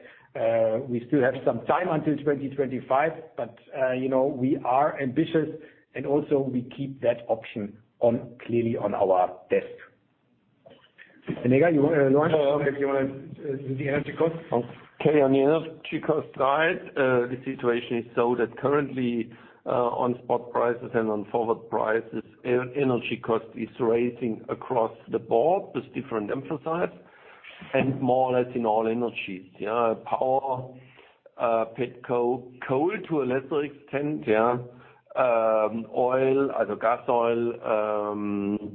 We still have some time until 2025, but we are ambitious and also we keep that option clearly on our desk. Lorenz, you want to launch? Maybe you want to do the energy cost? On the energy cost side, the situation is so that currently on spot prices and on forward prices, energy cost is raising across the board with different emphasis and more or less in all energies. Power, petcoke, coal to a lesser extent. Oil, either gas oil,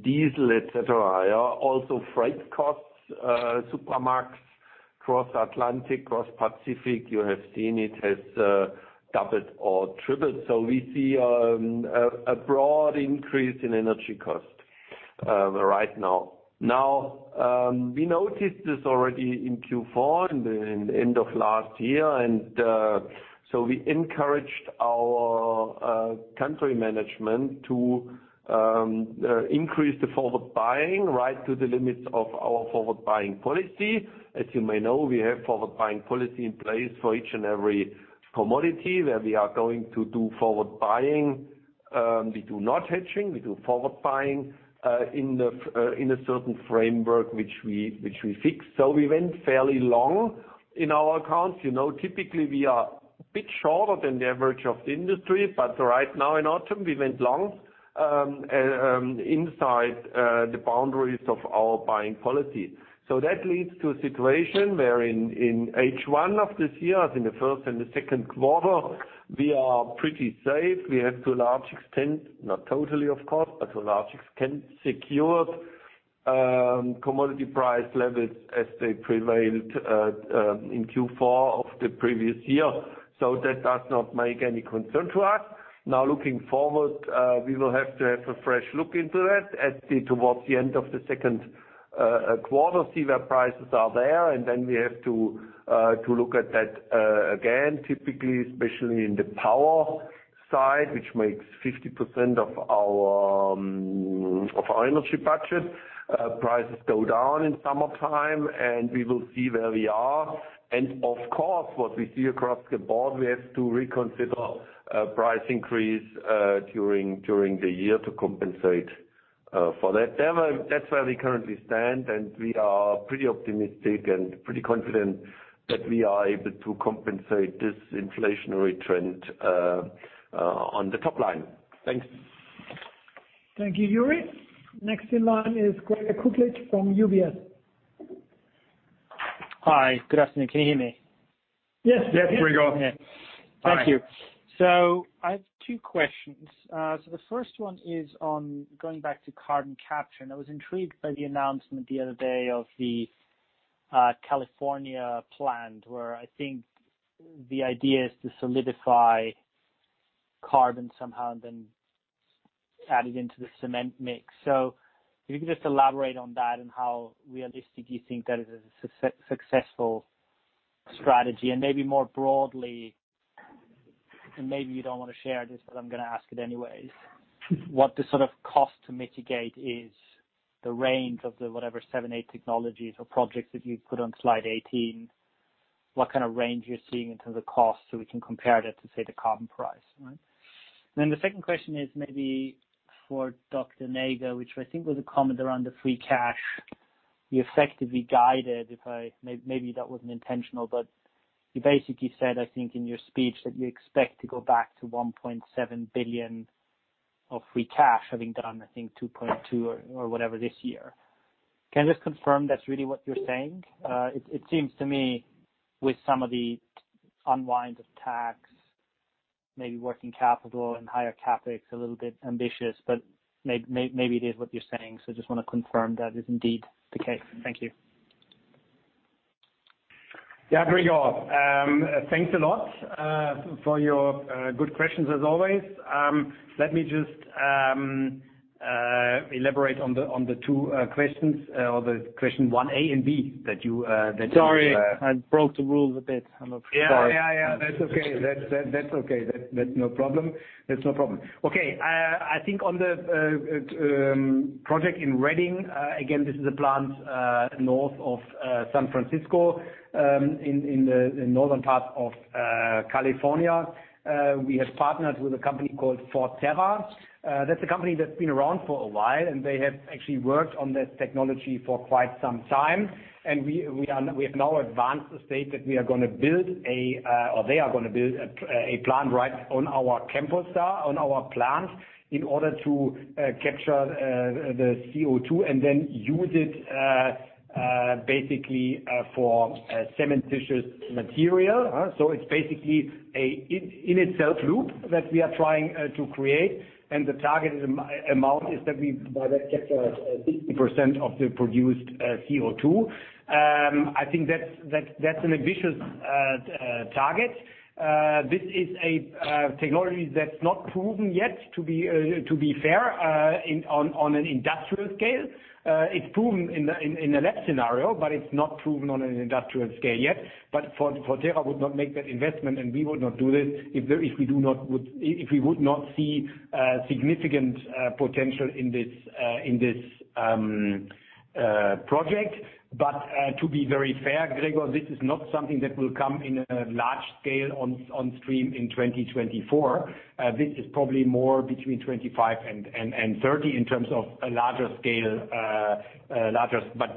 diesel, et cetera. Also freight costs, Supramax, Cross Atlantic, Cross Pacific, you have seen it has doubled or tripled. We see a broad increase in energy cost right now. We noticed this already in Q4 in the end of last year. We encouraged our country management to increase the forward buying right to the limits of our forward buying policy. As you may know, we have forward buying policy in place for each and every commodity where we are going to do forward buying. We do not hedging, we do forward buying in a certain framework which we fix. We went fairly long in our accounts. Typically we are a bit shorter than the average of the industry, but right now in autumn, we went long inside the boundaries of our buying policy. That leads to a situation where in H1 of this year, in the first and the second quarter, we are pretty safe. We have to a large extent, not totally of course, but to a large extent, secured commodity price levels as they prevailed in Q4 of the previous year. That does not make any concern to us. Looking forward, we will have to have a fresh look into that as towards the end of the second quarter, see where prices are there, and then we have to look at that again. Typically, especially in the power side, which makes 50% of our energy budget, prices go down in summertime. We will see where we are. Of course, what we see across the board, we have to reconsider price increase during the year to compensate for that. That's where we currently stand, and we are pretty optimistic and pretty confident that we are able to compensate this inflationary trend on the top line. Thanks. Thank you, Yuri. Next in line is Gregor Kuglitsch from UBS. Hi, good afternoon. Can you hear me? Yes. Yes, pretty good. Okay. Thank you. I have two questions. The first one is on going back to carbon capture, and I was intrigued by the announcement the other day of the California plant, where I think the idea is to solidify carbon somehow and then add it into the cement mix. If you could just elaborate on that and how realistic you think that is a successful strategy and maybe more broadly, and maybe you don't want to share this, but I'm going to ask it anyways, what the sort of cost to mitigate is the range of the whatever seven, eight technologies or projects that you put on slide 18. What kind of range you're seeing in terms of cost so we can compare that to, say, the carbon price, right? The second question is maybe for Dr. Näger, which I think was a comment around the free cash. You effectively guided, maybe that wasn't intentional, but you basically said, I think in your speech, that you expect to go back to 1.7 billion of free cash, having done, I think 2.2 or whatever this year. Can I just confirm that's really what you're saying? It seems to me with some of the unwind of tax- maybe working capital and higher CapEx, a little bit ambitious, but maybe it is what you're saying. Just want to confirm that is indeed the case. Thank you. Yeah, Gregor. Thanks a lot for your good questions, as always. Let me just elaborate on the two questions or the question one A and B. Sorry, I broke the rules a bit. I'm sorry. Yeah. That's okay. That's no problem. Okay. I think on the project in Redding, again, this is a plant north of San Francisco, in the northern part of California. We have partnered with a company called Fortera. That's a company that's been around for a while, and they have actually worked on that technology for quite some time. We are now advanced the state that they are going to build a plant right on our campus, on our plant, in order to capture the CO2 and then use it basically for cementitious material. It's basically a in itself loop that we are trying to create, and the targeted amount is that we by that capture 50% of the produced CO2. I think that's an ambitious target. This is a technology that's not proven yet, to be fair, on an industrial scale. It's proven in a lab scenario, it's not proven on an industrial scale yet. Fortera would not make that investment, and we would not do this if we would not see significant potential in this project. To be very fair, Gregor, this is not something that will come in a large scale on stream in 2024. This is probably more between 2025 and 2030 in terms of a larger scale.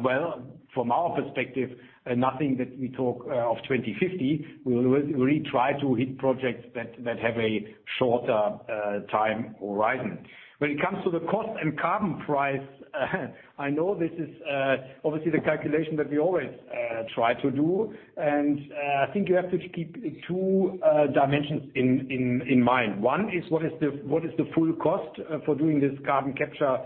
Well, from our perspective, nothing that we talk of 2050. We really try to hit projects that have a shorter time horizon. When it comes to the cost and carbon price I know this is obviously the calculation that we always try to do, and I think you have to keep two dimensions in mind. One is what is the full cost for doing this carbon capture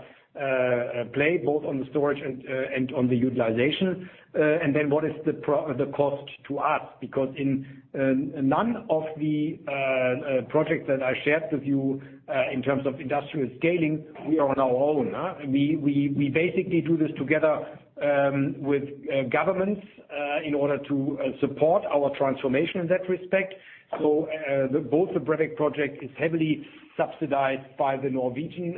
play, both on the storage and on the utilization. What is the cost to us? Because in none of the projects that I shared with you in terms of industrial scaling, we are on our own. We basically do this together with governments, in order to support our transformation in that respect. Both the Brevik project is heavily subsidized by the Norwegian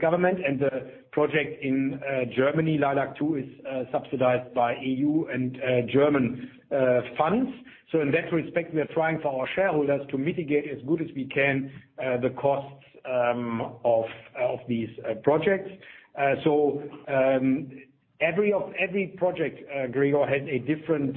government and the project in Germany, Leilac-2, is subsidized by EU and German funds. In that respect, we are trying for our shareholders to mitigate as good as we can the costs of these projects. Every project, Gregor, has a different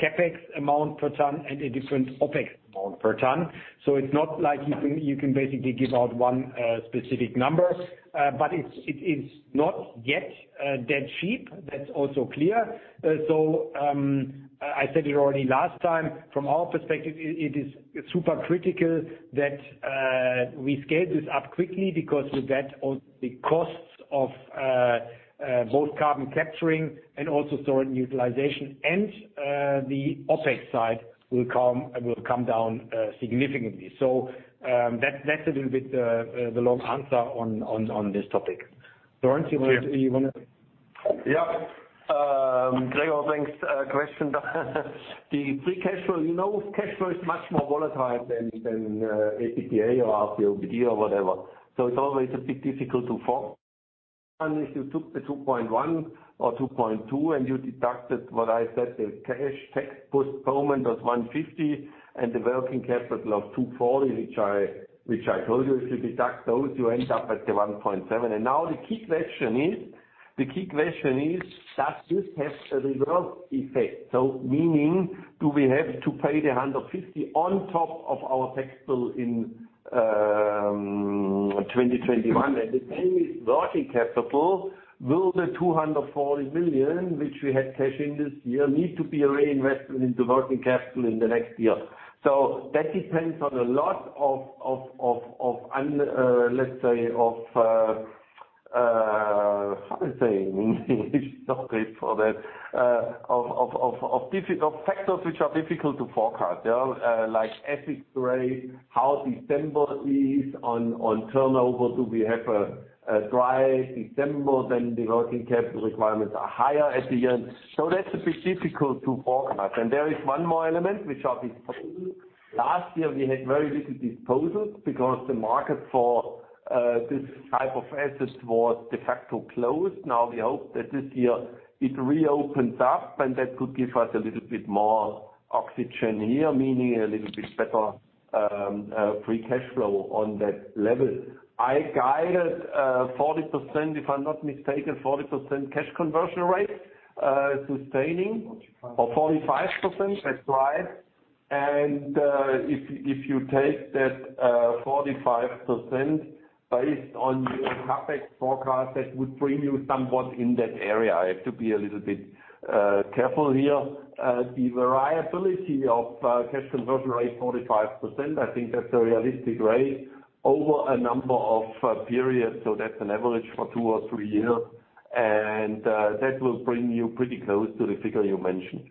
CapEx amount per ton and a different OpEx amount per ton. It's not like you can basically give out one specific number. It is not yet that cheap. That's also clear. I said it already last time. From our perspective, it is super critical that we scale this up quickly because with that, the costs of both carbon capturing and also storage utilization and the OpEx side will come down significantly. That's a little bit the long answer on this topic. Lorenz. Yeah. Gregor, thanks for the question. The free cash flow. You know cash flow is much more volatile than ATPA or RCOBD or whatever, so it's always a bit difficult to forecast. If you took the 2.1 or 2.2 and you deducted what I said, the cash tax postponement was 150 and the working capital of 240, which I told you, if you deduct those, you end up at the 1.7. Now the key question is, does this have a reverse effect? Meaning, do we have to pay the 150 on top of our tax bill in 2021? The same with working capital. Will the 240 million, which we had cash in this year, need to be reinvested into working capital in the next year? That depends on a lot of, let's say, how to say in English, no phrase for that. Of factors which are difficult to forecast. Like Essid Gray, how December is on turnover. Do we have a dry December, then the working capital requirements are higher at the end. That's a bit difficult to forecast. There is one more element, which are disposals. Last year we had very little disposals because the market for this type of assets was de facto closed. Now we hope that this year it reopens up and that could give us a little bit more oxygen here. Meaning a little bit better free cash flow on that level. I guided 40%, if I'm not mistaken, 40% cash conversion rate sustaining. 45%, that's right. If you take that 45% based on your CapEx forecast, that would bring you somewhat in that area. I have to be a little bit careful here. The variability of cash conversion rate, 45%, I think that's a realistic rate over a number of periods, so that's an average for two or three years. That will bring you pretty close to the figure you mentioned.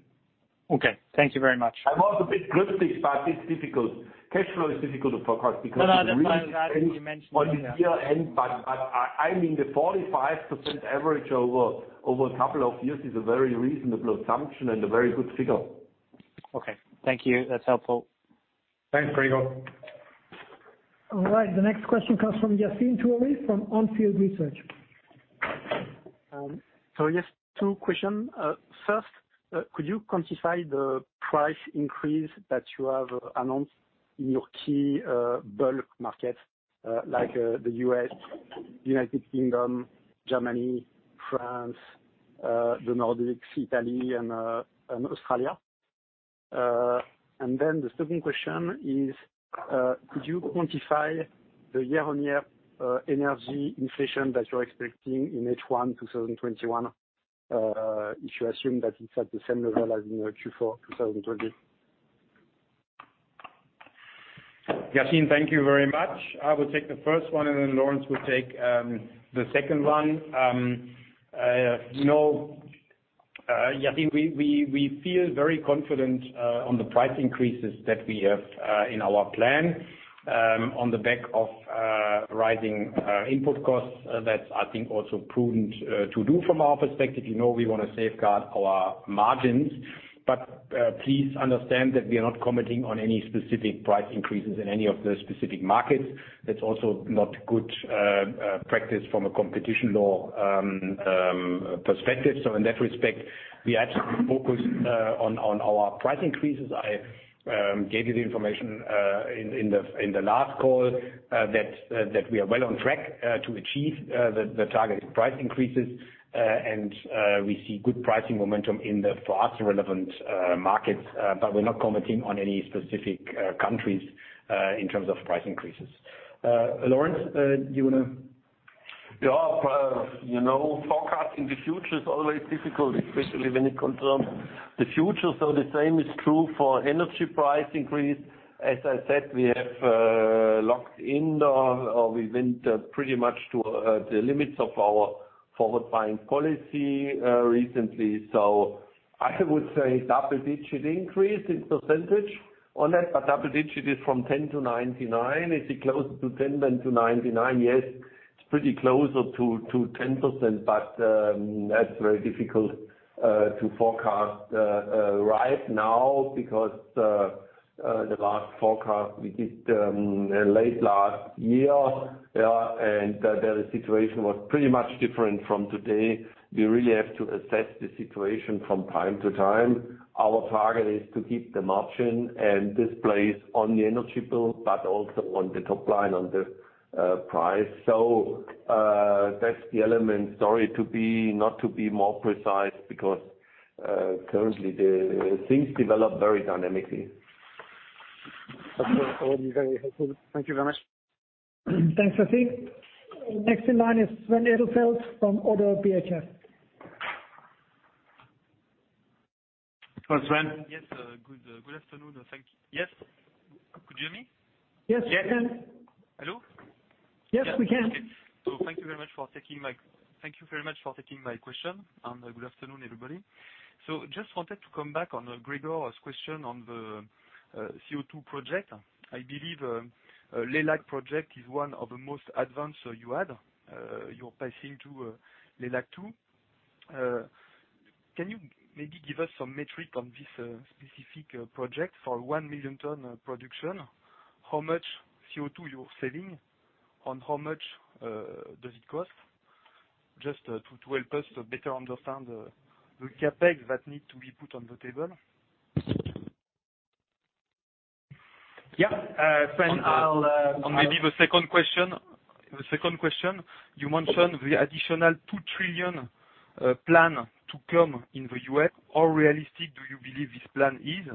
Okay. Thank you very much. I was a bit cryptic, but it's difficult. Cash flow is difficult to forecast because- No, that's why I'm glad you mentioned it. on the year end, but I mean, the 45% average over a couple of years is a very reasonable assumption and a very good figure. Okay. Thank you. That's helpful. Thanks, Gregor. All right, the next question comes from Yassine Touahri from On Field Investment Research. Yes, two questions. First, could you quantify the price increase that you have announced in your key bulk markets, like the U.S., U.K., Germany, France, the Nordics, Italy, and Australia? The second question is, could you quantify the year-on-year energy inflation that you're expecting in H1 2021, if you assume that it's at the same level as in Q4 2020? Yassine, thank you very much. I will take the first one, and then Lorenz will take the second one. Yassine, we feel very confident on the price increases that we have in our plan. On the back of rising input costs, that's, I think, also prudent to do from our perspective. We want to safeguard our margins. Please understand that we are not commenting on any specific price increases in any of the specific markets. That's also not good practice from a competition law perspective. In that respect, we absolutely focus on our price increases. I gave you the information in the last call that we are well on track to achieve the targeted price increases. We see good pricing momentum in the, for us, relevant markets. We're not commenting on any specific countries in terms of price increases. Lorenz, do you want to-? Yeah. Forecasting the future is always difficult, especially when it concerns the future. The same is true for energy price increase. As I said, we have locked in, or we went pretty much to the limits of our forward-buying policy recently. I would say double-digit increase in percentage on that, but double digit is from 10 to 99. Is it closer to 10 than to 99? Yes. It's pretty closer to 10%, but that's very difficult to forecast right now because the last forecast we did late last year, and the situation was pretty much different from today. We really have to assess the situation from time to time. Our target is to keep the margin and this plays on the energy bill, but also on the top line, on the price. That's the element. Sorry, not to be more precise because currently the things develop very dynamically. Okay. That was very helpful. Thank you very much. Thanks, Yassine. Next in line is Sven Edelfelt from ODDO BHF. Hello, Sven. Yes, good afternoon. Yes. Could you hear me? Yes, we can. Hello? Yes, we can. Okay. Thank you very much for taking my question, and good afternoon, everybody. Just wanted to come back on Gregor's question on the CO2 project. I believe Leilac project is one of the most advanced you had. You're passing to Leilac-2. Can you maybe give us some metric on this specific project for 1 million ton production? How much CO2 you're saving and how much does it cost? Just to help us to better understand the CapEx that need to be put on the table. Yeah. Sven- Maybe the second question. You mentioned the additional 2 trillion plan to come in the U.S. How realistic do you believe this plan is?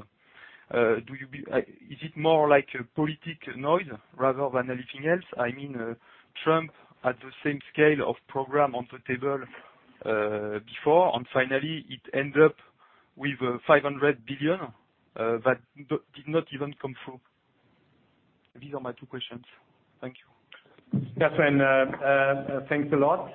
Is it more like a political noise rather than anything else? Trump had the same scale of program on the table before, finally, it ended up with 500 billion that did not even come through. These are my two questions. Thank you. Yeah, Sven. Thanks a lot.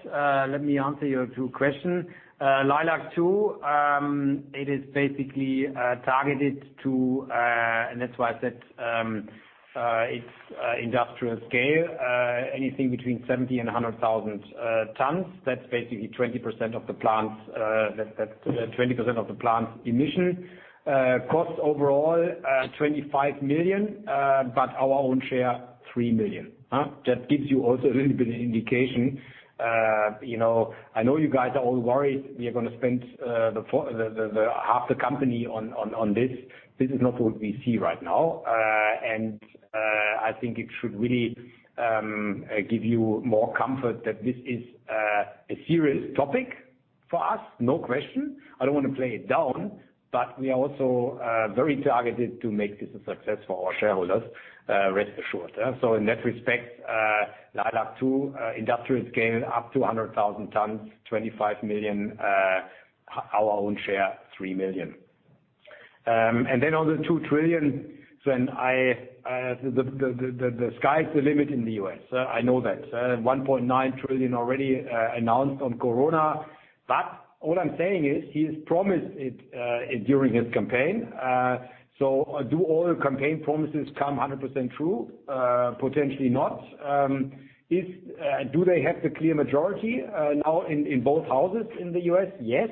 Let me answer your two question. Leilac-2, it is basically targeted to. That's why I said it's industrial scale. Anything between 70 and 100,000 tons. That's basically 20% of the plant emission. Cost overall, 25 million, but our own share, 3 million. That gives you also a little bit of indication. I know you guys are all worried we are going to spend half the company on this. This is not what we see right now. I think it should really give you more comfort that this is a serious topic for us, no question. I don't want to play it down, but we are also very targeted to make this a success for our shareholders, rest assured. In that respect, Leilac-2 Industrial is gaining up to 100,000 tons, 25 million our own share, 3 million. On the 2 trillion, the sky is the limit in the U.S. I know that. 1.9 trillion already announced on COVID. All I'm saying is he has promised it during his campaign. Do all campaign promises come 100% true? Potentially not. Do they have the clear majority now in both Houses in the U.S.? Yes.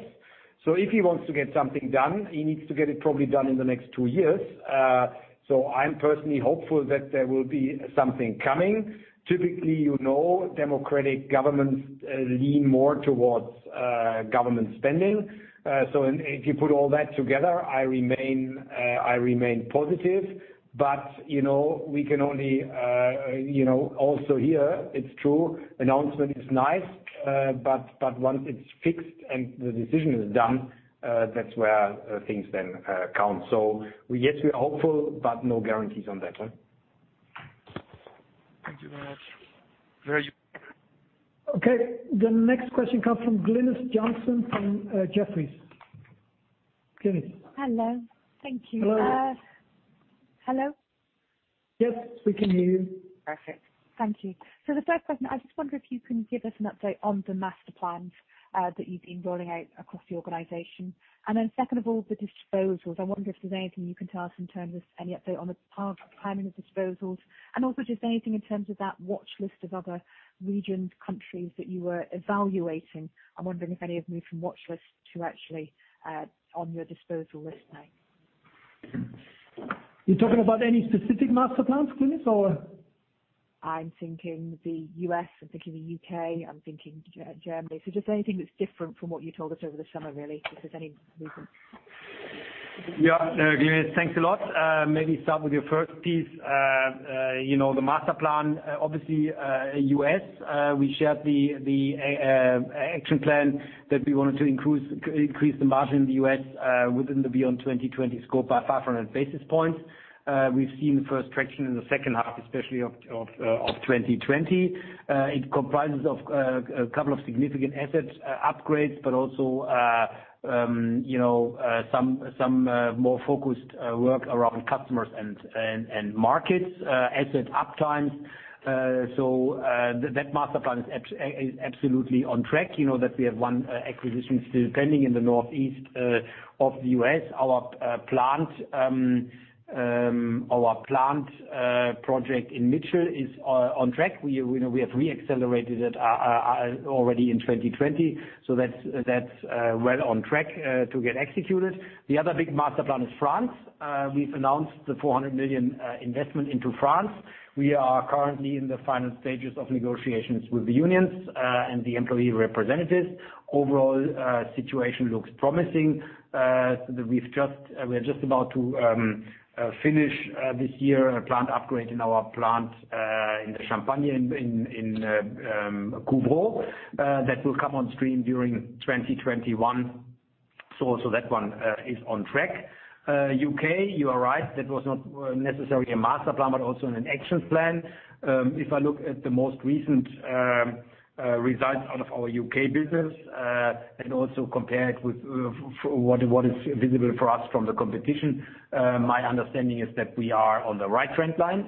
If he wants to get something done, he needs to get it probably done in the next two years. I'm personally hopeful that there will be something coming. Typically, Democratic governments lean more towards government spending. If you put all that together, I remain positive. Also here, it's true, announcement is nice, but once it's fixed and the decision is done, that's where things then count. Yes, we are hopeful, but no guarantees on that. Thank you very much. Very useful. Okay. The next question comes from Glynis Johnson from Jefferies. Glynis. Hello. Thank you. Hello. Hello? Yes, we can hear you. Perfect. Thank you. The first question, I just wonder if you can give us an update on the master plans that you've been rolling out across the organization. Second of all, the disposals. I wonder if there's anything you can tell us in terms of any update on the timing of disposals, and also just anything in terms of that watchlist of other regions, countries that you were evaluating. I'm wondering if any have moved from watchlist to actually on your disposal list now. You're talking about any specific master plans, Glynis, or? I'm thinking the U.S., I'm thinking the U.K., I'm thinking Germany. Just anything that's different from what you told us over the summer, really. If there's any movement. Yeah. Glynis, thanks a lot. Maybe start with your first piece. The master plan, obviously, U.S., we shared the action plan that we wanted to increase the margin in the U.S. within the Beyond 2020 scope by 500 basis points. We've seen the first traction in the H2, especially of 2020. It comprises of a couple of significant assets, upgrades, but also some more focused work around customers and markets, asset uptimes. That master plan is absolutely on track. You know that we have one acquisition still pending in the Northeast of the U.S. Our plant project in Mitchell is on track. We have re-accelerated it already in 2020. That's well on track to get executed. The other big master plan is France. We've announced the 400 million investment into France. We are currently in the final stages of negotiations with the unions and the employee representatives. Overall situation looks promising. We're just about to finish this year a plant upgrade in our plant in the Champagne in Couvrot. That will come on stream during 2021. Also that one is on track. U.K., you are right, that was not necessarily a master plan, but also an action plan. If I look at the most recent results out of our U.K. business, and also compare it with what is visible for us from the competition, my understanding is that we are on the right trend line.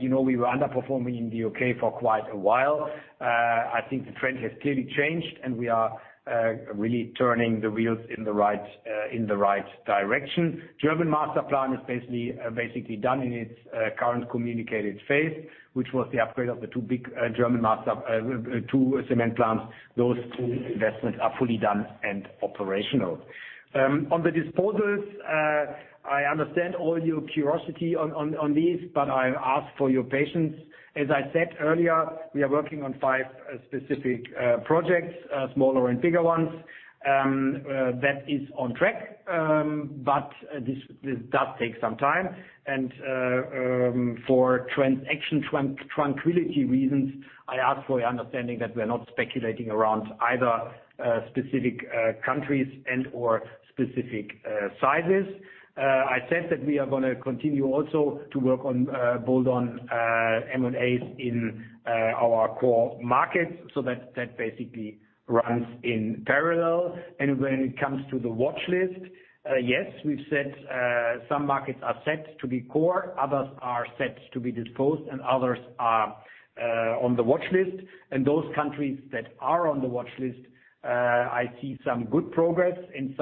We were underperforming in the U.K. for quite a while. I think the trend has clearly changed, and we are really turning the wheels in the right direction. German master plan is basically done in its current communicated phase, which was the upgrade of the two cement plants. Those two investments are fully done and operational. On the disposals, I understand all your curiosity on these, but I ask for your patience. As I said earlier, we are working on five specific projects, smaller and bigger ones. That is on track, but this does take some time, and for tranquility reasons, I ask for your understanding that we're not speculating around either specific countries and/or specific sizes. I said that we are going to continue also to work on bold on M&As in our core markets. That basically runs in parallel. When it comes to the watchlist, yes, we've said some markets are set to be core, others are set to be disposed, and others are on the watchlist. Those countries that are on the watchlist, I see some good progress in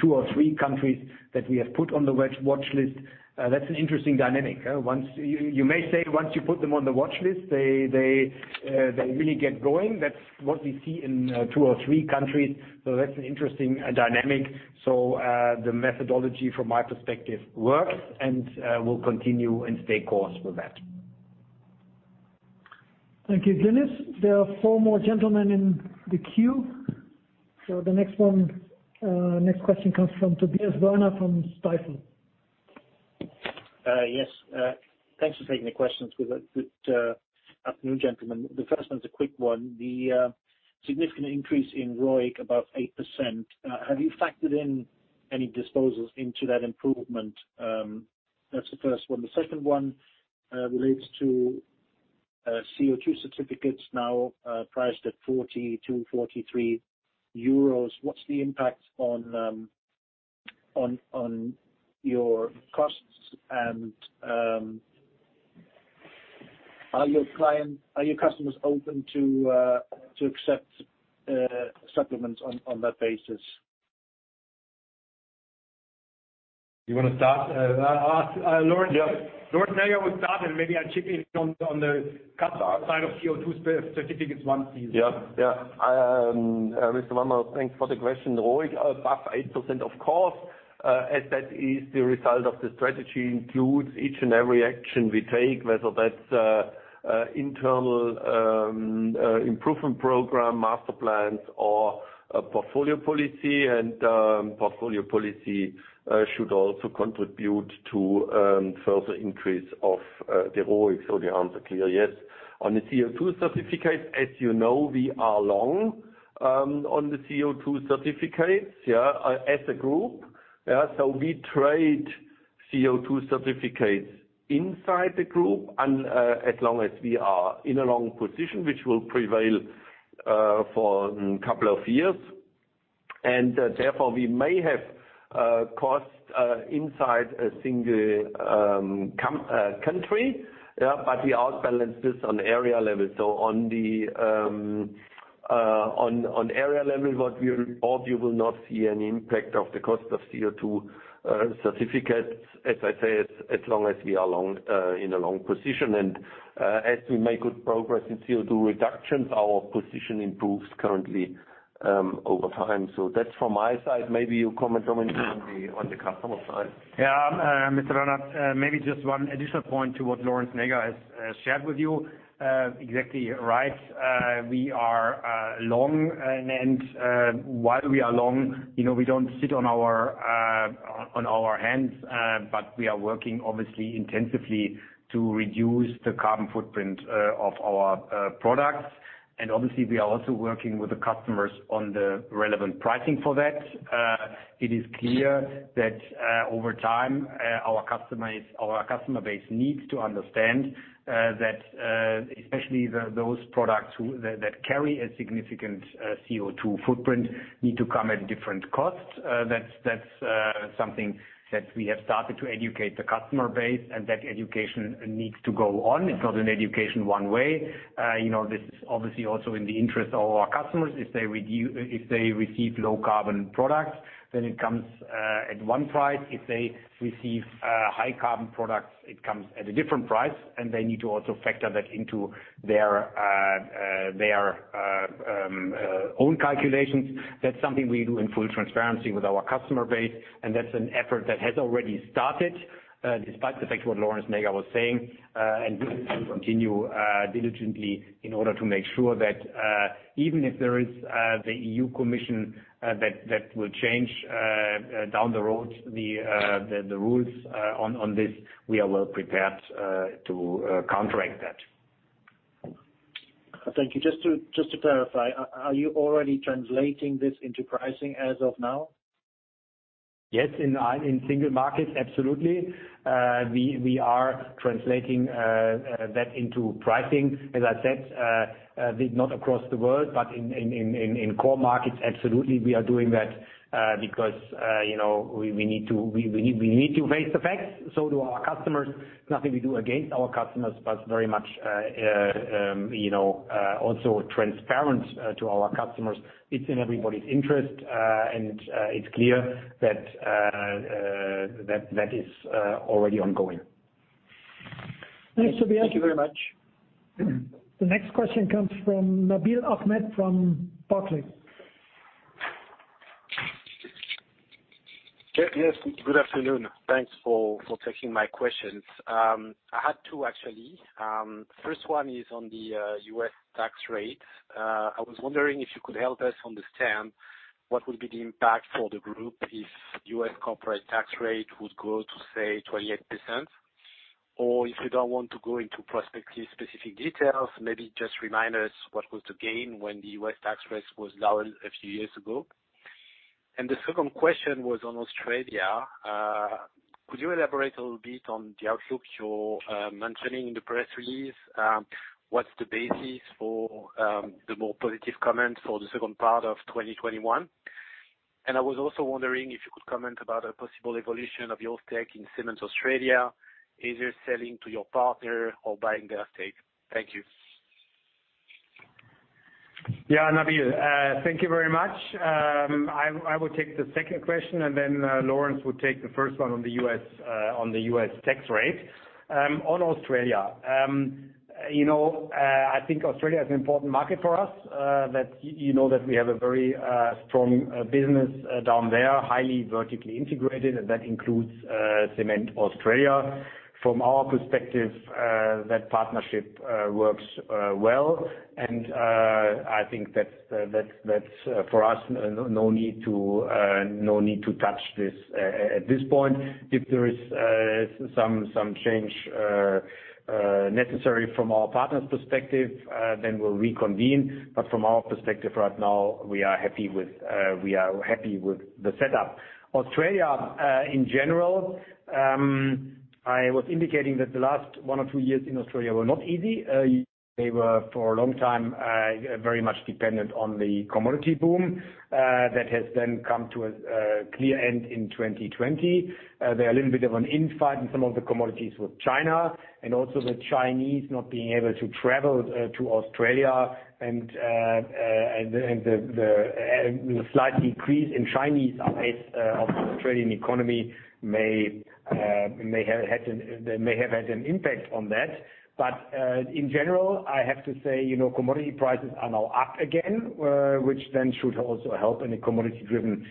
two or three countries that we have put on the watchlist. That's an interesting dynamic. You may say once you put them on the watchlist, they really get going. That's what we see in two or three countries. That's an interesting dynamic. The methodology from my perspective works, and we'll continue and stay course with that. Thank you, Glynis. There are four more gentlemen in the queue. The next question comes from Tobias Woerner from Stifel. Yes. Thanks for taking the questions. Good afternoon, gentlemen. The first one's a quick one. The significant increase in ROIC above 8%, have you factored in any disposals into that improvement? That's the first one. The second one relates to CO2 certificates now priced at 42 euros, 43 euros. What's the impact on your costs and are your customers open to accept supplements on that basis? You want to start? I'll ask Lorenz. Yeah. Lorenz Näger will start, and maybe I'll chip in on the customer side of CO2 certificates once he's done. Mr. Woerner, thanks for the question. ROIC above 8%, of course, as that is the result of the strategy, includes each and every action we take, whether that's internal improvement program, master plans or portfolio policy. Portfolio policy should also contribute to further increase of the ROIC. The answer clear, yes. On the CO2 certificates, as you know, we are long on the CO2 certificates as a group. We trade CO2 certificates inside the group and as long as we are in a long position, which will prevail for a couple of years. Therefore, we may have costs inside a single country. We outbalance this on area level. On area level you will not see any impact of the cost of CO2 certificates, as I say, as long as we are in a long position. As we make good progress in CO2 reductions, our position improves currently over time. That's from my side. Maybe you comment, Dominik, on the customer side. Yeah. Mr. Woerner, maybe just one additional point to what Näger has shared with you. Exactly right, we are long. While we are long, we don't sit on our hands. We are working obviously intensively to reduce the carbon footprint of our products. Obviously, we are also working with the customers on the relevant pricing for that. It is clear that over time our customer base needs to understand that especially those products that carry a significant CO2 footprint need to come at different costs. That's something that we have started to educate the customer base and that education needs to go on. It's not an education one way. This is obviously also in the interest of our customers. If they receive low carbon products, then it comes at one price. If they receive high carbon products, it comes at a different price. They need to also factor that into their own calculations. That's something we do in full transparency with our customer base, and that's an effort that has already started, despite the fact what Näger was saying. We will continue diligently in order to make sure that even if there is the EU Commission that will change down the road the rules on this, we are well prepared to counteract that. Thank you. Just to clarify, are you already translating this into pricing as of now? Yes, in single markets, absolutely. We are translating that into pricing. As I said, not across the world, but in core markets, absolutely, we are doing that. We need to face the facts, so do our customers. Nothing we do against our customers, but very much also transparent to our customers. It's in everybody's interest, and it's clear that is already ongoing. Thanks, Tobias. Thank you very much. The next question comes from Nabil Ahmed from Barclays. Yes. Good afternoon. Thanks for taking my questions. I had two, actually. First one is on the U.S. tax rate. I was wondering if you could help us understand what would be the impact for the group if U.S. corporate tax rate would go to, say, 28%. If you don't want to go into prospective specific details, maybe just remind us what was the gain when the U.S. tax rates was lowered a few years ago. The second question was on Australia. Could you elaborate a little bit on the outlook you're mentioning in the press release? What's the basis for the more positive comments for the second part of 2021? I was also wondering if you could comment about a possible evolution of your stake in Cement Australia. Either selling to your partner or buying their stake. Thank you. Nabil. Thank you very much. I will take the second question and then Lorenz will take the first one on the U.S. tax rate. On Australia I think Australia is an important market for us. You know that we have a very strong business down there, highly vertically integrated, and that includes Cement Australia. From our perspective, that partnership works well, and I think that for us, no need to touch this at this point. If there is some change necessary from our partner's perspective, then we'll reconvene. From our perspective right now, we are happy with the setup. Australia, in general, I was indicating that the last one or two years in Australia were not easy. They were, for a long time, very much dependent on the commodity boom that has then come to a clear end in 2020. There are a little bit of an infight in some of the commodities with China, and also the Chinese not being able to travel to Australia, and the slight decrease in Chinese rates of the Australian economy may have had an impact on that. In general, I have to say, commodity prices are now up again, which then should also help in a commodity-driven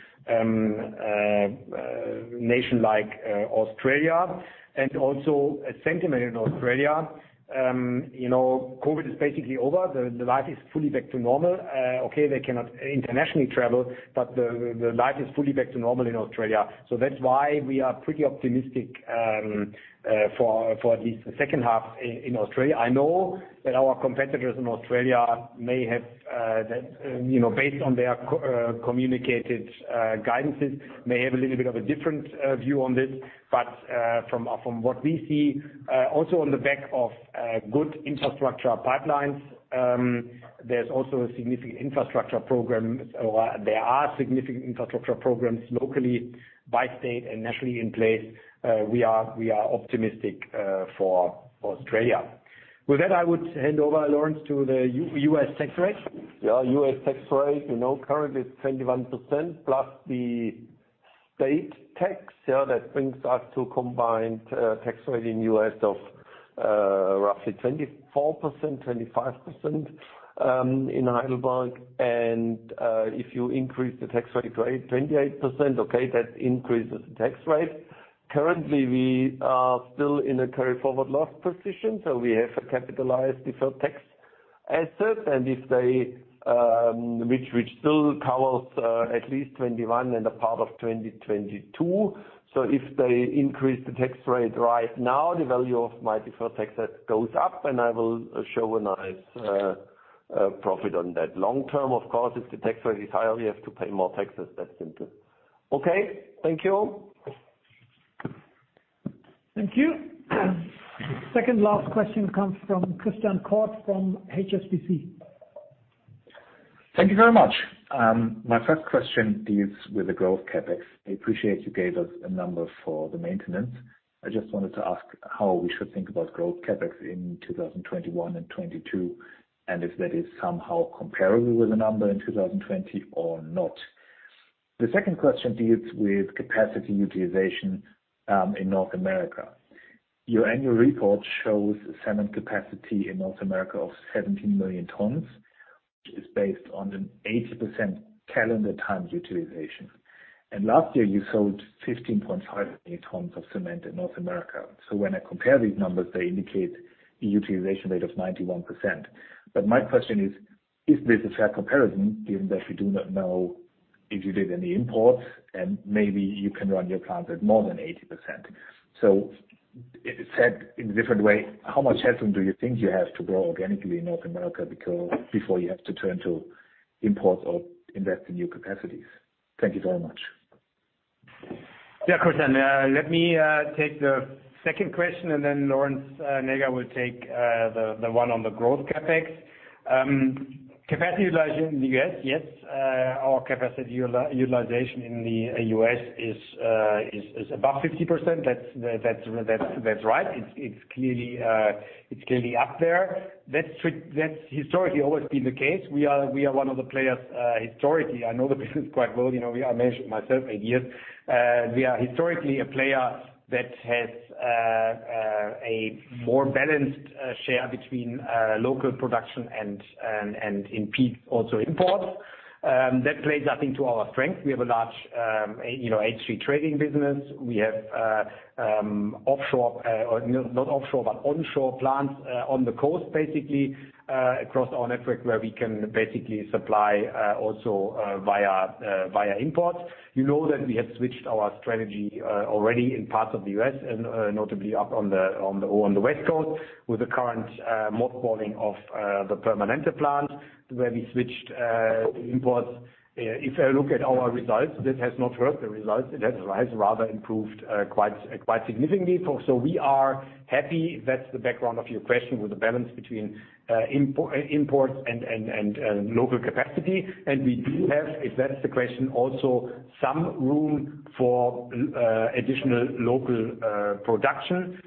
nation like Australia, and also a sentiment in Australia. COVID is basically over. The life is fully back to normal. Okay, they cannot internationally travel, the life is fully back to normal in Australia. That's why we are pretty optimistic for at least the H2 in Australia. I know that our competitors in Australia may have, based on their communicated guidances, may have a little bit of a different view on this. From what we see, also on the back of good infrastructure pipelines, there's also a significant infrastructure program. There are significant infrastructure programs locally, by state, and nationally in place. We are optimistic for Australia. With that, I would hand over, Lorenz, to the U.S. tax rate. Yeah, U.S. tax rate, currently it's 21% plus the state tax. That brings us to combined tax rate in U.S. of roughly 24%, 25% in Heidelberg. If you increase the tax rate to 28%, okay, that increases the tax rate. Currently, we are still in a carry forward loss position, we have a capitalized deferred tax asset, and which still covers at least 2021 and a part of 2022. If they increase the tax rate right now, the value of my deferred tax asset goes up, and I will show a nice profit on that long term. Of course, if the tax rate is higher, we have to pay more taxes. That's simple. Okay. Thank you. Thank you. Second last question comes from Christian Koch from HSBC. Thank you very much. My first question deals with the growth CapEx. I appreciate you gave us a number for the maintenance. I just wanted to ask how we should think about growth CapEx in 2021 and 2022, and if that is somehow comparable with the number in 2020 or not. The second question deals with capacity utilization in North America. Your annual report shows cement capacity in North America of 17 million tons, which is based on an 80% calendar time utilization. Last year, you sold 15.5 million tons of cement in North America. When I compare these numbers, they indicate a utilization rate of 91%. My question is this a fair comparison given that we do not know if you did any imports and maybe you can run your plant at more than 80%? Said in a different way, how much headroom do you think you have to grow organically in North America before you have to turn to imports or invest in new capacities? Thank you very much. Christian, let me take the second question, and then Lorenz Näger will take the one on the growth CapEx. Capacity utilization in the U.S., yes. Our capacity utilization in the U.S. is above 50%. That's right. It's clearly up there. That's historically always been the case. We are one of the players historically. I know the business quite well. I managed it myself eight years. We are historically a player that has a more balanced share between local production and in peaks, also imports. That plays, I think, to our strength. We have a large HC Trading business. We have onshore plants on the coast, basically, across our network where we can basically supply also via imports. You know that we have switched our strategy already in parts of the U.S. and notably up on the West Coast with the current mothballing of the Permanente plant where we switched imports. If I look at our results, that has not hurt the results. It has rather improved quite significantly. We are happy. That's the background of your question with the balance between imports and local capacity. We do have, if that's the question, also some room for additional local production.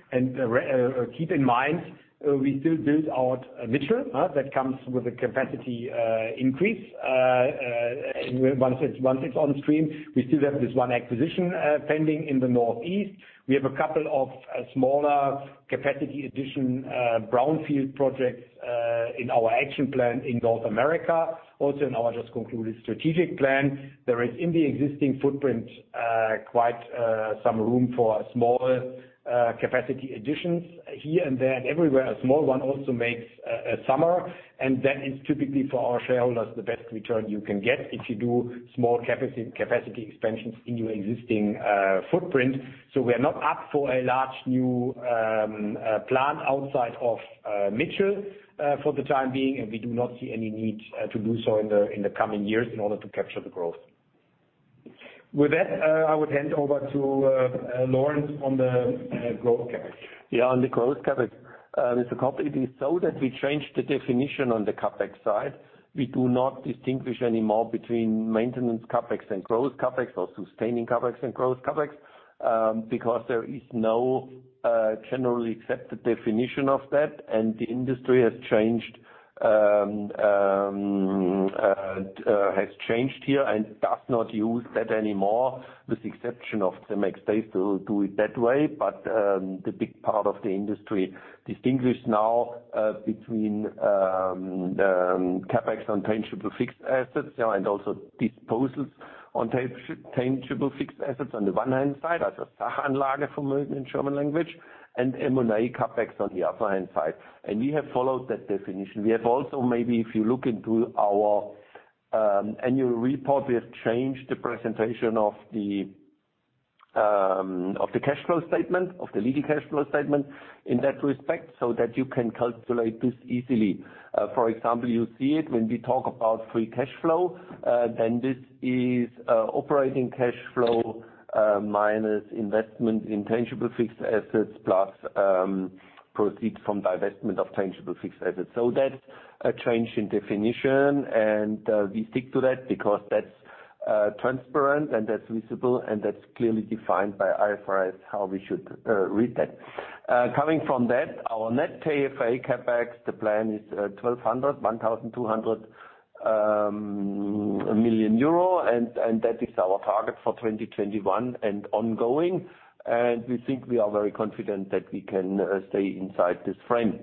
Keep in mind, we still build out Mitchell. That comes with a capacity increase. Once it's on stream, we still have this one acquisition pending in the Northeast. We have a couple of smaller capacity addition brownfield projects. In our action plan in North America, also in our just concluded strategic plan, there is, in the existing footprint, quite some room for small capacity additions here and there. Everywhere, a small one also makes a summer, and that is typically, for our shareholders, the best return you can get if you do small capacity expansions in your existing footprint. We are not up for a large new plant outside of Mitchell for the time being, and we do not see any need to do so in the coming years in order to capture the growth. With that, I would hand over to Lorenz on the growth CapEx. Yeah, on the growth CapEx. Mr. Koch, it is so that we changed the definition on the CapEx side. We do not distinguish anymore between maintenance CapEx and growth CapEx or sustaining CapEx and growth CapEx because there is no generally accepted definition of that. The industry has changed here and does not use that anymore, with the exception of CEMEX. They still do it that way. The big part of the industry distinguishes now between CapEx on tangible fixed assets and also disposals on tangible fixed assets on the one hand side, as a in German language, and M&A CapEx on the other hand side. We have followed that definition. We have also, maybe if you look into our annual report, we have changed the presentation of the legal cash flow statement in that respect so that you can calculate this easily. For example, you see it when we talk about free cash flow. This is operating cash flow minus investment in tangible fixed assets, plus proceeds from divestment of tangible fixed assets. That's a change in definition, and we stick to that because that's transparent and that's visible, and that's clearly defined by IFRS, how we should read that. Coming from that, our net CAFA CapEx, the plan is 1,200 million euro. That is our target for 2021 and ongoing. We think we are very confident that we can stay inside this frame.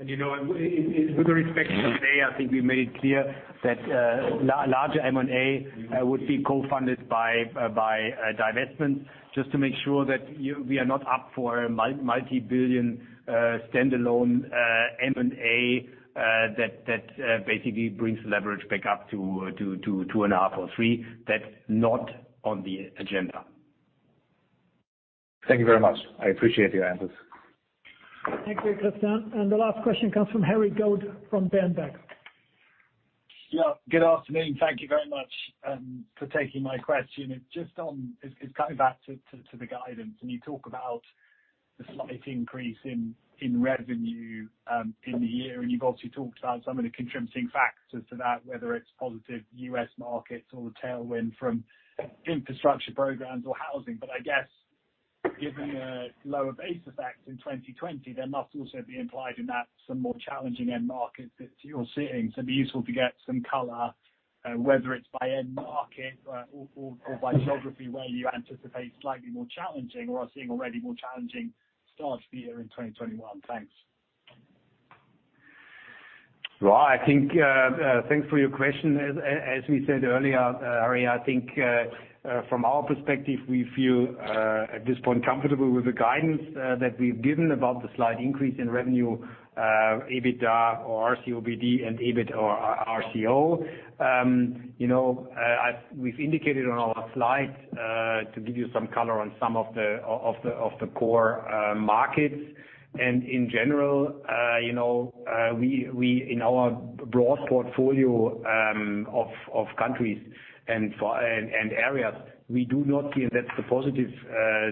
With respect to today, I think we made it clear that larger M&A would be co-funded by divestment, just to make sure that we are not up for a multi-billion standalone M&A that basically brings leverage back up to 2.5 or 3. That's not on the agenda. Thank you very much. I appreciate your answers. Thank you, Christian. The last question comes from Harry Goad from Berenberg. Good afternoon. Thank you very much for taking my question. It's coming back to the guidance. You talk about the slight increase in revenue in the year, and you've obviously talked about some of the contributing factors to that, whether it's positive U.S. markets or the tailwind from infrastructure programs or housing. I guess given a lower base effect in 2020, there must also be implied in that some more challenging end markets that you're seeing. It'd be useful to get some color, whether it's by end market or by geography where you anticipate slightly more challenging or are seeing already more challenging starts for the year in 2021. Thanks. Well, thanks for your question. As we said earlier, Harry, I think from our perspective, we feel at this point comfortable with the guidance that we've given about the slight increase in revenue, EBITDA or RCOBD and EBIT or RCO. We've indicated on our slide to give you some color on some of the core markets. In general, in our broad portfolio of countries and areas, we do not see, and that's the positive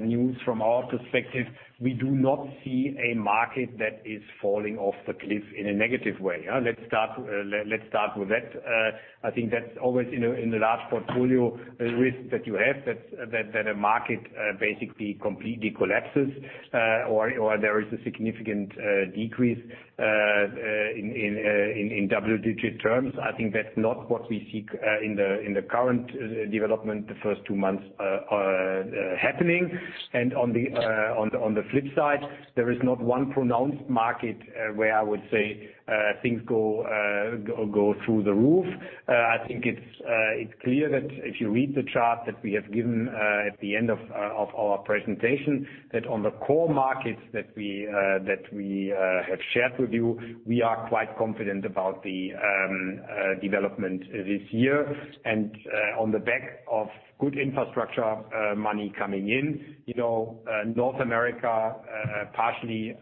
news from our perspective, we do not see a market that is falling off the cliff in a negative way. Let's start with that. I think that's always in the large portfolio risk that you have, that a market basically completely collapses or there is a significant decrease in double-digit terms. I think that's not what we see in the current development the first two months happening. On the flip side, there is not one pronounced market where I would say things go through the roof. I think it's clear that if you read the chart that we have given at the end of our presentation, that on the core markets that we have shared with you, we are quite confident about the development this year. On the back of good infrastructure money coming in. North America, partially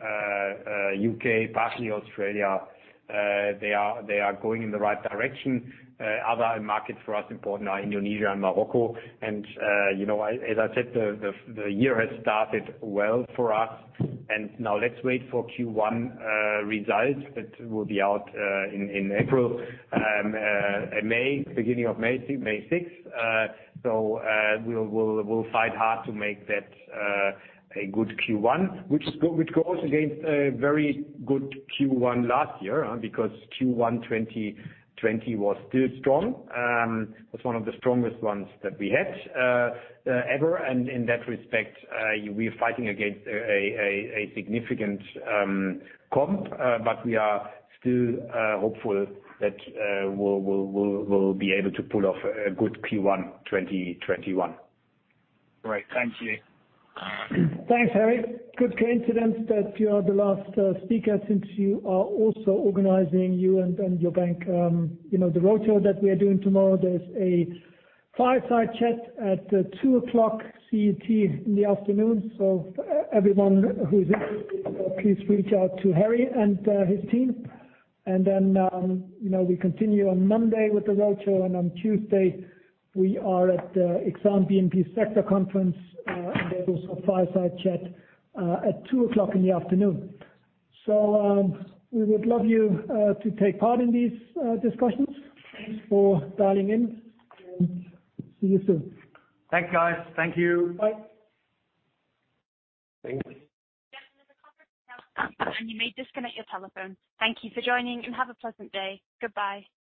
U.K., partially Australia they are going in the right direction. Other markets for us important are Indonesia and Morocco. As I said, the year has started well for us. Now let's wait for Q1 results that will be out in April and beginning of May 6th. We'll fight hard to make that a good Q1, which goes against a very good Q1 last year because Q1 2020 was still strong. It was one of the strongest ones that we had ever. In that respect, we are fighting against a significant comp, but we are still hopeful that we'll be able to pull off a good Q1 2021. Great. Thank you. Thanks, Harry. Good coincidence that you are the last speaker since you are also organizing, you and your bank. The roadshow that we are doing tomorrow, there's a fireside chat at 2:00 P.M. CET in the afternoon. Everyone who's interested, please reach out to Harry and his team. We continue on Monday with the roadshow, and on Tuesday we are at the Exane BNP Sector Conference. There is a fireside chat at 2:00 P.M. in the afternoon. We would love you to take part in these discussions. Thanks for dialing in, and see you soon. Thanks, guys. Thank you. Bye. Thank you. That's the end of the conference now. You may disconnect your telephone. Thank you for joining, and have a pleasant day. Goodbye.